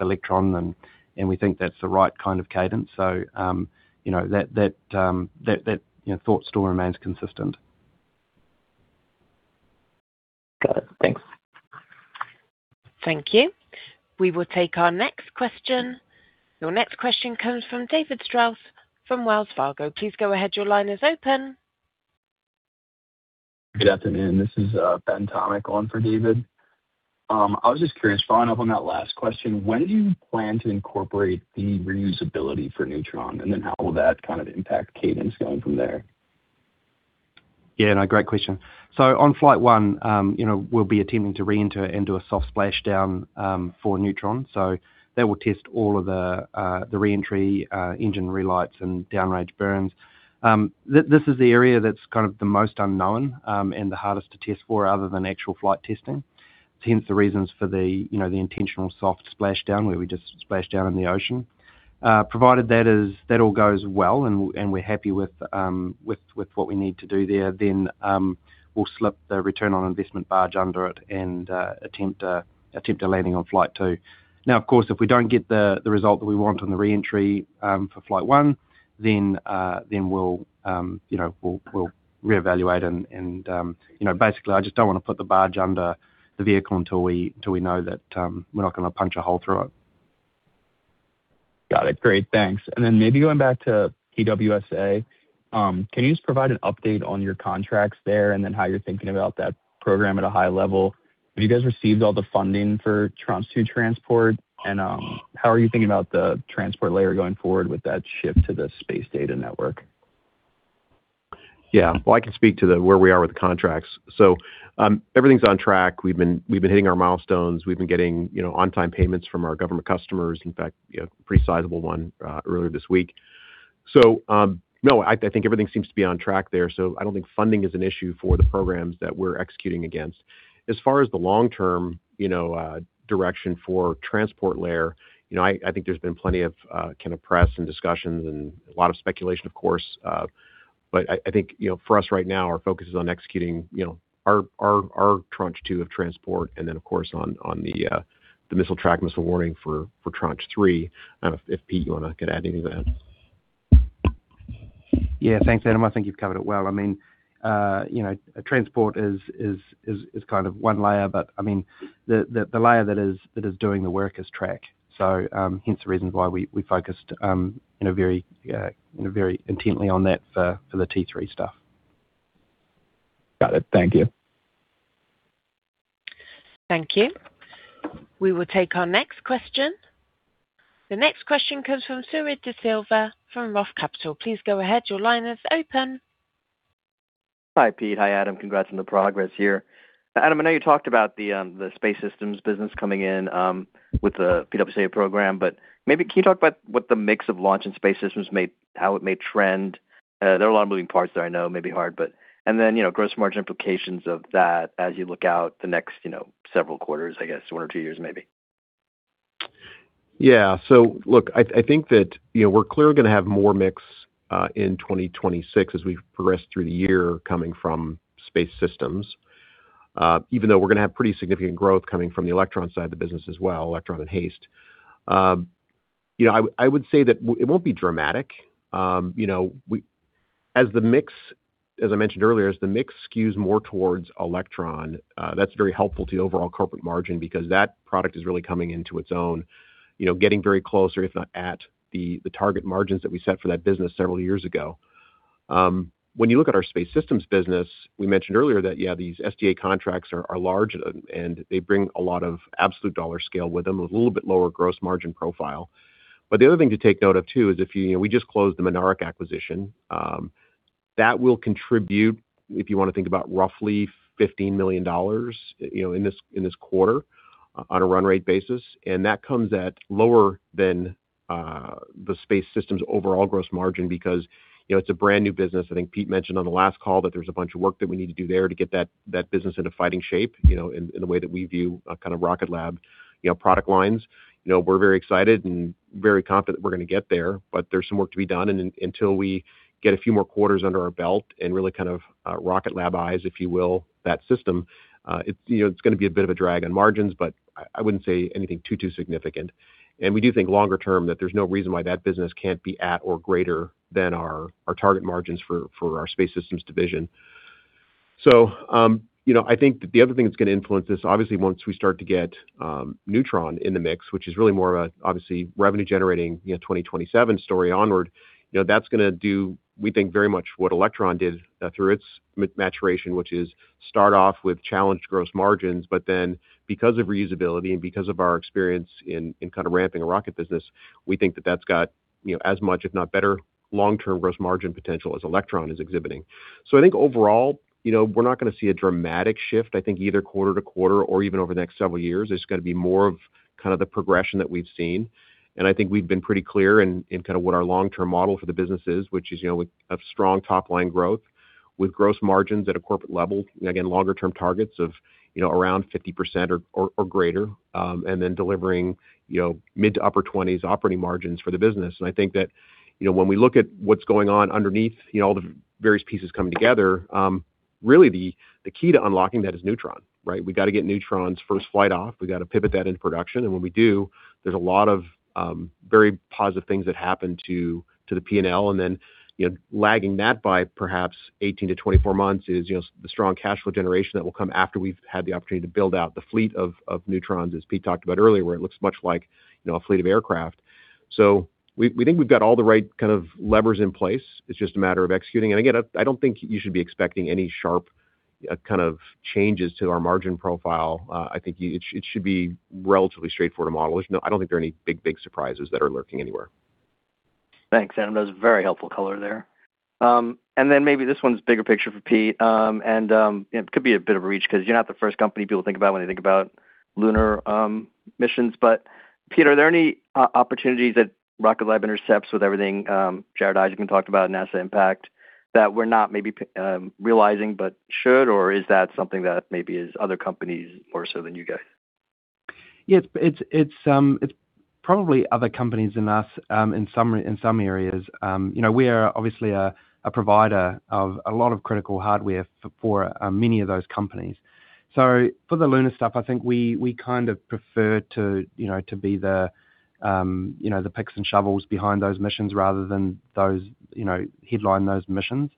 Electron and we think that's the right kind of cadence. You know, that, you know, thought still remains consistent. Got it. Thanks. Thank you. We will take our next question. Your next question comes from David Strauss from Wells Fargo. Please go ahead. Your line is open. Good afternoon. This is Ben Tomick on for David. I was just curious, following up on that last question, when do you plan to incorporate the reusability for Neutron? How will that kind of impact cadence going from there? Yeah, no, great question. On flight 1, you know, we'll be attempting to reenter and do a soft splashdown for Neutron. That will test all of the reentry engine relights and downrange burns. This is the area that's kind of the most unknown and the hardest to test for other than actual flight testing. Hence the reasons for the, you know, the intentional soft splashdown where we just splash down in the ocean. Provided that is, that all goes well and we're happy with what we need to do there, then we'll slip the Return On Investment barge under it and attempt a landing on flight two. Now, of course, if we don't get the result that we want on the reentry, for flight one, then we'll, you know, reevaluate and, you know, basically, I just don't wanna put the barge under the vehicle until we know that we're not gonna punch a hole through it. Got it. Great. Thanks. Then maybe going back to PWSA. Can you just provide an update on your contracts there and then how you're thinking about that program at a high level? Have you guys received all the funding for Tranche two transport? And how are you thinking about the transport layer going forward with that ship to the Space Data Network? Yeah. Well, I can speak to the where we are with the contracts. Everything's on track. We've been hitting our milestones. We've been getting, you know, on time payments from our government customers. In fact, you know, pretty sizable one earlier this week. No, I think everything seems to be on track there. I don't think funding is an issue for the programs that we're executing against. As far as the long-term, you know, direction for transport layer, you know, I think there's been plenty of kind of press and discussions and a lot of speculation, of course. I think, you know, for us right now, our focus is on executing, you know, our Tranche 2 of transport and then, of course, on the missile track, missile warning for Tranche 3. If Pete, you wanna add anything to that. Yeah. Thanks, Adam. I think you've covered it well. I mean, you know, transport is kind of one layer, but I mean, the layer that is doing the work is Tranche. Hence the reasons why we focused in a very intently on that for the T3 stuff. Got it. Thank you. Thank you. We will take our next question. The next question comes from Suji Desilva from ROTH Capital. Please go ahead. Hi, Pete. Hi, Adam. Congrats on the progress here. Adam, I know you talked about the Space Systems business coming in with the PWSA program, but maybe can you talk about what the mix of launch and Space Systems how it may trend? There are a lot of moving parts there I know may be hard, but then, you know, gross margin implications of that as you look out the next, you know, several quarters, I guess one or two years maybe. Yeah. Look, I think that, you know, we're clearly gonna have more mix in 2026 as we progress through the year coming from Space Systems. Even though we're gonna have pretty significant growth coming from the Electron side of the business as well, Electron and HASTE. You know, I would say that it won't be dramatic. You know, as the mix, as I mentioned earlier, as the mix skews more towards Electron, that's very helpful to the overall corporate margin because that product is really coming into its own. You know, getting very close or if not at the target margins that we set for that business several years ago. When you look at our Space Systems business, we mentioned earlier that, yeah, these SDA contracts are large and they bring a lot of absolute dollar scale with them, a little bit lower gross margin profile. The other thing to take note of too is if you know, we just closed the Mynaric acquisition. That will contribute, if you want to think about roughly $15 million, you know, in this, in this quarter on a run rate basis. That comes at lower than the Space Systems overall gross margin because, you know, it's a brand new business. I think Peter Beck mentioned on the last call that there's a bunch of work that we need to do there to get that business into fighting shape, you know, in the way that we view a kind of Rocket Lab, you know, product lines. You know, we're very excited and very confident we're gonna get there's some work to be done. Until we get a few more quarters under our belt and really kind of, Rocket Lab eyes, if you will, that system, it's, you know, it's gonna be a bit of a drag on margins, I wouldn't say anything too significant. We do think longer term that there's no reason why that business can't be at or greater than our target margins for our Space Systems division. You know, I think the other thing that's gonna influence this, obviously once we start to get Neutron in the mix, which is really more of a obviously revenue generating, you know, 2027 story onward. You know, that's gonna do, we think very much what Electron did through its maturation, which is start off with challenged gross margins. Because of reusability and because of our experience in kind of ramping a rocket business, we think that that's got, you know, as much if not better long-term gross margin potential as Electron is exhibiting. I think overall, you know, we're not gonna see a dramatic shift, I think either quarter-to-quarter or even over the next several years. It's gonna be more of kind of the progression that we've seen. I think we've been pretty clear in kind of what our long-term model for the business is, which is, you know, with a strong top-line growth with gross margins at a corporate level. Again, longer term targets of, you know, around 50% or greater. Then delivering, you know, mid to upper 20s operating margins for the business. I think that, you know, when we look at what's going on underneath, you know, all the various pieces coming together, really the key to unlocking that is Neutron, right? We gotta get Neutron's first flight off. We gotta pivot that into production. When we do, there's a lot of very positive things that happen to the P&L. Then, you know, lagging that by perhaps 18 to 24 months is, you know, the strong cash flow generation that will come after we've had the opportunity to build out the fleet of Neutrons, as Pete talked about earlier, where it looks much like, you know, a fleet of aircraft. We think we've got all the right kind of levers in place. It's just a matter of executing. Again, I don't think you should be expecting any sharp kind of changes to our margin profile. I think it should be relatively straightforward to model. I don't think there are any big surprises that are lurking anywhere. Thanks. That was very helpful color there. Maybe this one's bigger picture for Pete. It could be a bit of a reach ’cause you're not the first company people think about when they think about lunar missions. Pete, are there any opportunities that Rocket Lab intercepts with everything Jared Isaacman talked about NASA impact that we're not maybe realizing but should? Is that something that maybe is other companies more so than you guys? It's probably other companies than us in some areas. You know, we are obviously a provider of a lot of critical hardware for many of those companies. For the lunar stuff, I think we kind of prefer to, you know, to be the, you know, the picks and shovels behind those missions rather than those, you know, headline those missions.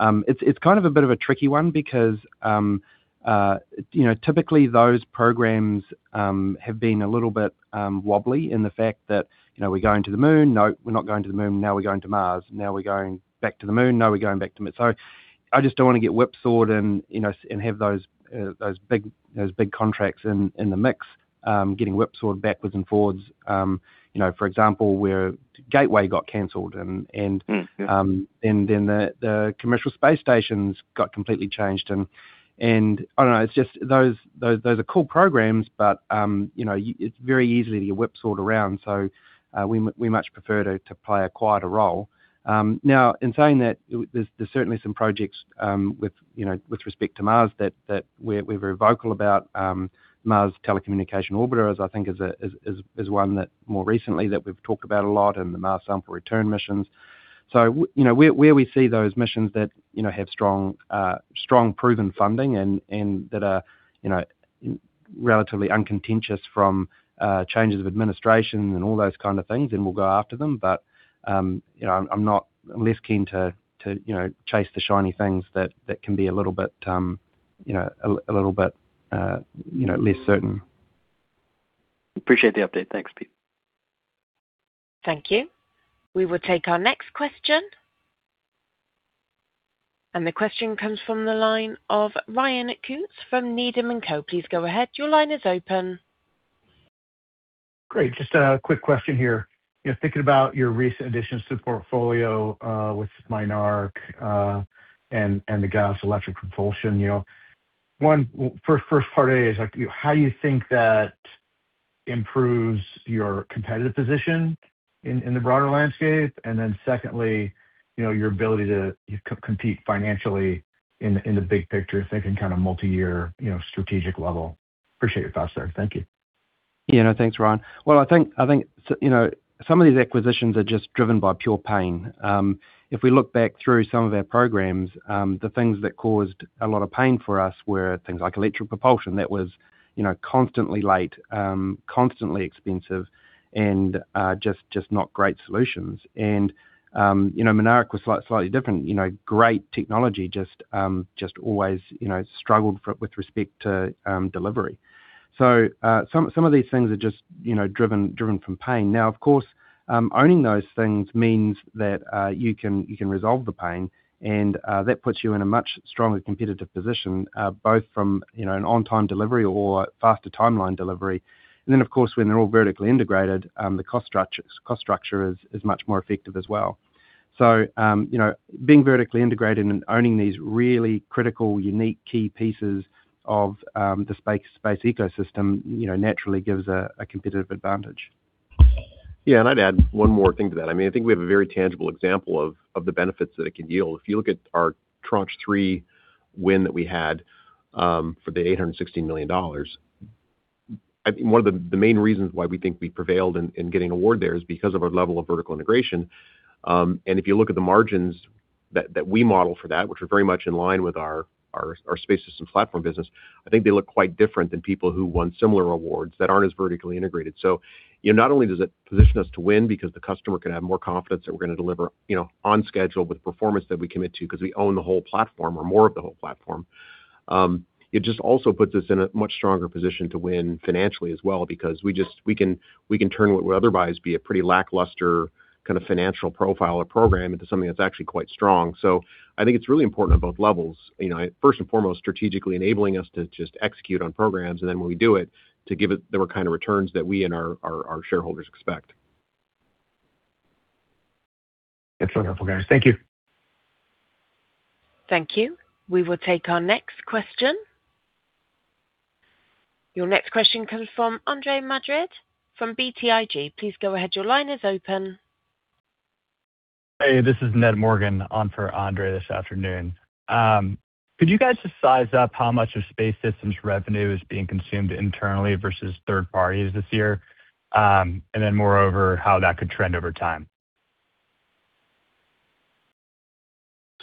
It's kind of a bit of a tricky one because, you know, typically those programs have been a little bit wobbly in the fact that, you know, we're going to the Moon. No, we're not going to the Moon. Now we're going to Mars. Now we're going back to the Moon. I just don't wanna get whipsawed and, you know, and have those big contracts in the mix, getting whipsawed backwards and forwards. You know, for example, where Gateway got canceled. Mm. Mm The commercial space stations got completely changed. I don't know, it's just those are cool programs but, you know, it's very easy to get whipsawed around. We much prefer to play a quieter role. Now in saying that, there's certainly some projects, with, you know, with respect to Mars that we're very vocal about. Mars Telecommunications Orbiter, as I think is a, is one that more recently that we've talked about a lot in the Mars Sample Return missions. You know, where we see those missions that, you know, have strong proven funding and that are, you know, relatively uncontentious from changes of administration and all those kind of things, then we'll go after them. You know, I'm less keen to, you know, chase the shiny things that can be a little bit, you know, a little bit, you know, less certain. Appreciate the update. Thanks, Pete. Thank you. We will take our next question. The question comes from the line of Ryan Koontz from Needham & Company. Please go ahead. Your line is open. Great. Just a quick question here. You know, thinking about your recent additions to the portfolio, with Mynaric, and the gas electric propulsion, you know. First part A is like, how do you think that improves your competitive position in the broader landscape? Secondly, you know, your ability to compete financially in the big picture, thinking kind of multi-year, you know, strategic level. Appreciate your thoughts there. Thank you. Yeah. No, thanks, Ryan. Well, I think, you know, some of these acquisitions are just driven by pure pain. If we look back through some of our programs, the things that caused a lot of pain for us were things like electric propulsion that was, you know, constantly late, constantly expensive and just not great solutions. You know, Mynaric was slightly different. You know, great technology just always, you know, struggled with respect to delivery. Some of these things are just, you know, driven from pain. Now, of course, owning those things means that you can resolve the pain and that puts you in a much stronger competitive position, both from, you know, an on time delivery or faster timeline delivery. Of course, when they're all vertically integrated, the cost structure is much more effective as well. You know, being vertically integrated and owning these really critical, unique key pieces of the space ecosystem, you know, naturally gives a competitive advantage. Yeah. I'd add one more thing to that. I mean, I think we have a very tangible example of the benefits that it can yield. If you look at our Tranche 3 win that we had for the $860 million, I think one of the main reasons why we think we prevailed in getting award there is because of our level of vertical integration. If you look at the margins that we model for that, which are very much in line with our Space Systems platform business. I think they look quite different than people who won similar awards that aren't as vertically integrated. You know, not only does it position us to win because the customer can have more confidence that we're gonna deliver, you know, on schedule with performance that we commit to because we own the whole platform or more of the whole platform. It just also puts us in a much stronger position to win financially as well because we can turn what would otherwise be a pretty lackluster kind of financial profile or program into something that's actually quite strong. I think it's really important on both levels. You know, first and foremost, strategically enabling us to just execute on programs, and then when we do it, to give it the kind of returns that we and our, our shareholders expect. That's wonderful, guys. Thank you. Thank you. We will take our next question. Your next question comes from Andre Madrid from BTIG. Please go ahead. Your line is open. Hey, this is Ned Morgan on for Andre this afternoon. Could you guys just size up how much of Space Systems revenue is being consumed internally versus third parties this year? Moreover, how that could trend over time.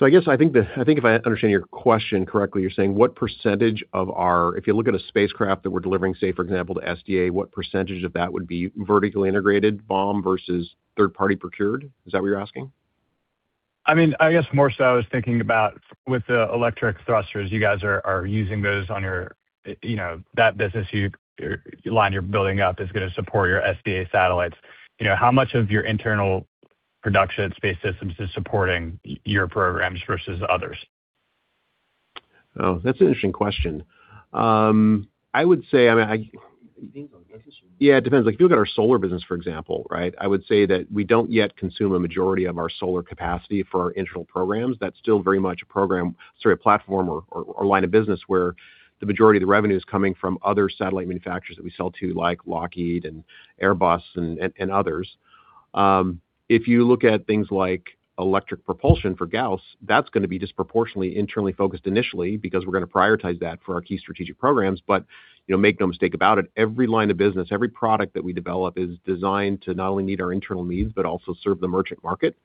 I guess, I think if I understand your question correctly, if you look at a spacecraft that we're delivering, say, for example, to SDA, what percentage of that would be vertically integrated BOM versus third party procured? Is that what you're asking? I mean, I guess more so I was thinking about with the electric thrusters, you guys are using those on your, you know, that business you line you're building up is gonna support your SDA satellites. You know, how much of your internal production Space Systems is supporting your programs versus others. Oh, that's an interesting question. I would say, I mean. It depends on the business unit. Yeah, it depends. Like, if you look at our solar business, for example, right? I would say that we don't yet consume a majority of our solar capacity for our internal programs. That's still very much a program, sort of platform or line of business where the majority of the revenue is coming from other satellite manufacturers that we sell to, like Lockheed and Airbus and others. If you look at things like electric propulsion for Gauss, that's gonna be disproportionately internally focused initially because we're gonna prioritize that for our key strategic programs. You know, make no mistake about it, every line of business, every product that we develop is designed to not only meet our internal needs, but also serve the merchant market.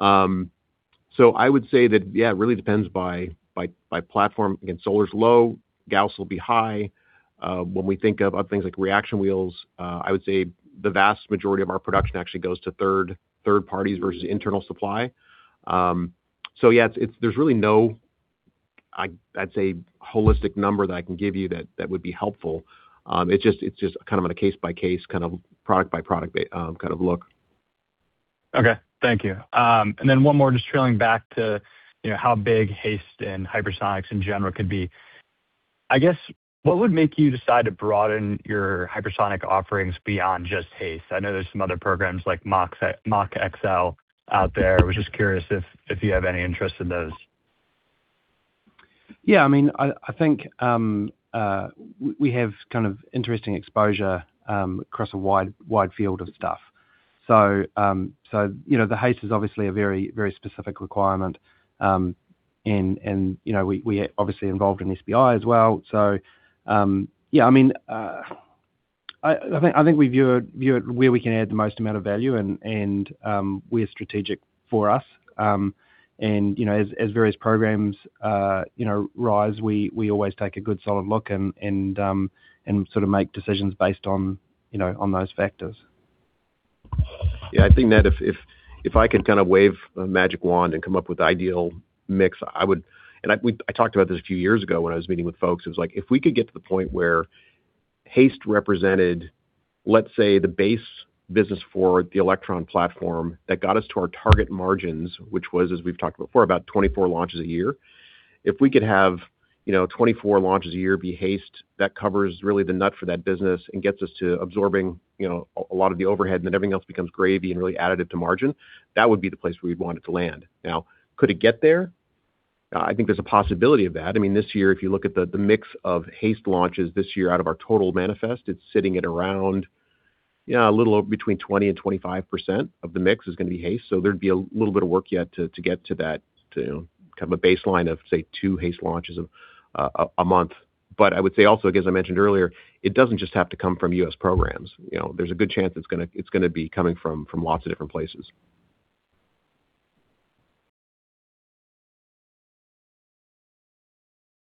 I would say that, yeah, it really depends by, by platform. Again, solar's low, Gauss will be high. When we think of other things like reaction wheels, I would say the vast majority of our production actually goes to third parties versus internal supply. Yeah, there's really no, I'd say, holistic number that I can give you that would be helpful. It's just, it's just kind of on a case-by-case, kind of product-by-product kind of look. Okay. Thank you. One more just trailing back to, you know, how big HASTE and hypersonics in general could be. I guess, what would make you decide to broaden your hypersonic offerings beyond just HASTE? I know there's some other programs like MACH-TB out there. I was just curious if you have any interest in those. Yeah. I mean, I think, we have kind of interesting exposure across a wide field of stuff. You know, the HASTE is obviously a very, very specific requirement. And, you know, we are obviously involved in SBI as well. Yeah, I mean, I think, we view it where we can add the most amount of value and, where strategic for us. And, you know, as various programs, you know, rise, we always take a good solid look and sort of make decisions based on, you know, on those factors. I think that if I could kind of wave a magic wand and come up with the ideal mix, I would I talked about this a few years ago when I was meeting with folks. It was like, if we could get to the point where HASTE represented, let's say, the base business for the Electron platform that got us to our target margins, which was, as we've talked before, about 24 launches a year. If we could have, you know, 24 launches a year be HASTE, that covers really the nut for that business and gets us to absorbing, you know, a lot of the overhead, and then everything else becomes gravy and really additive to margin. That would be the place where we'd want it to land. Could it get there? I think there's a possibility of that. I mean, this year, if you look at the mix of HASTE launches this year out of our total manifest, it's sitting at around, yeah, a little over between 20%-25% of the mix is gonna be HASTE. There'd be a little bit of work yet to get to that, to kind of a baseline of, say, 2 HASTE launches a month. I would say also, as I mentioned earlier, it doesn't just have to come from U.S. programs. You know, there's a good chance it's gonna be coming from lots of different places.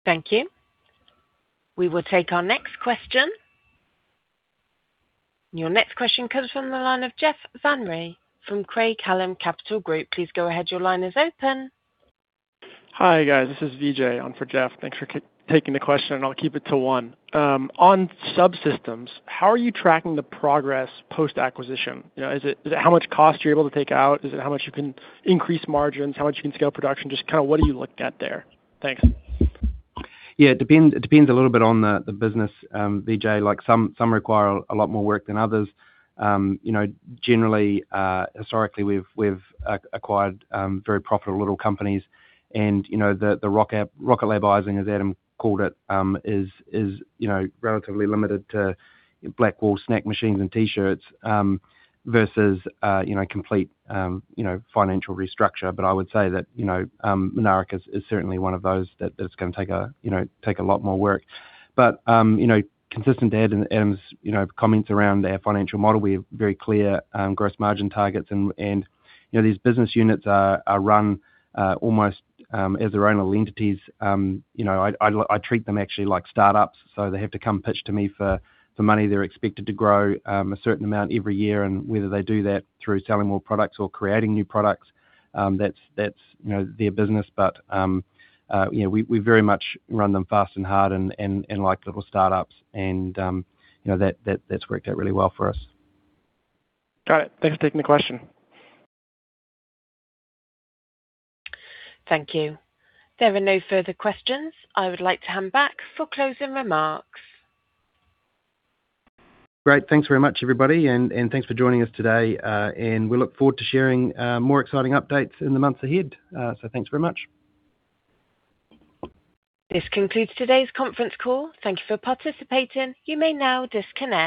Thank you. We will take our next question. Your next question comes from the line of Jeff Van Rhee from Craig-Hallum Capital Group. Please go ahead. Hi, guys. This is Vijay on for Jeff. Thanks for taking the question, and I'll keep it to 1. On subsystems, how are you tracking the progress post-acquisition? You know, is it how much cost you're able to take out? Is it how much you can increase margins? How much you can scale production? Just kind of what are you looking at there? Thanks. Yeah. It depends a little bit on the business, Vijay. Like, some require a lot more work than others. You know, generally, historically, we've acquired very profitable little companies and, you know, the Rocket Lab icing, as Adam called it, is, you know, relatively limited to black wall snack machines and T-shirts, versus, you know, complete, you know, financial restructure. I would say that, you know, Mynaric is certainly one of those that is going to take a lot more work. You know, consistent to Adam's, you know, comments around our financial model, we have very clear gross margin targets and, you know, these business units are run almost as their own entities. You know, I treat them actually like startups, so they have to come pitch to me for money. They're expected to grow a certain amount every year. Whether they do that through selling more products or creating new products, that's, you know, their business. You know, we very much run them fast and hard and like little startups and, you know, that's worked out really well for us. Got it. Thanks for taking the question. Thank you. There are no further questions. I would like to hand back for closing remarks. Great. Thanks very much, everybody, and thanks for joining us today. We look forward to sharing more exciting updates in the months ahead. Thanks very much. This concludes today's conference call. Thank you for participating. You may now disconnect.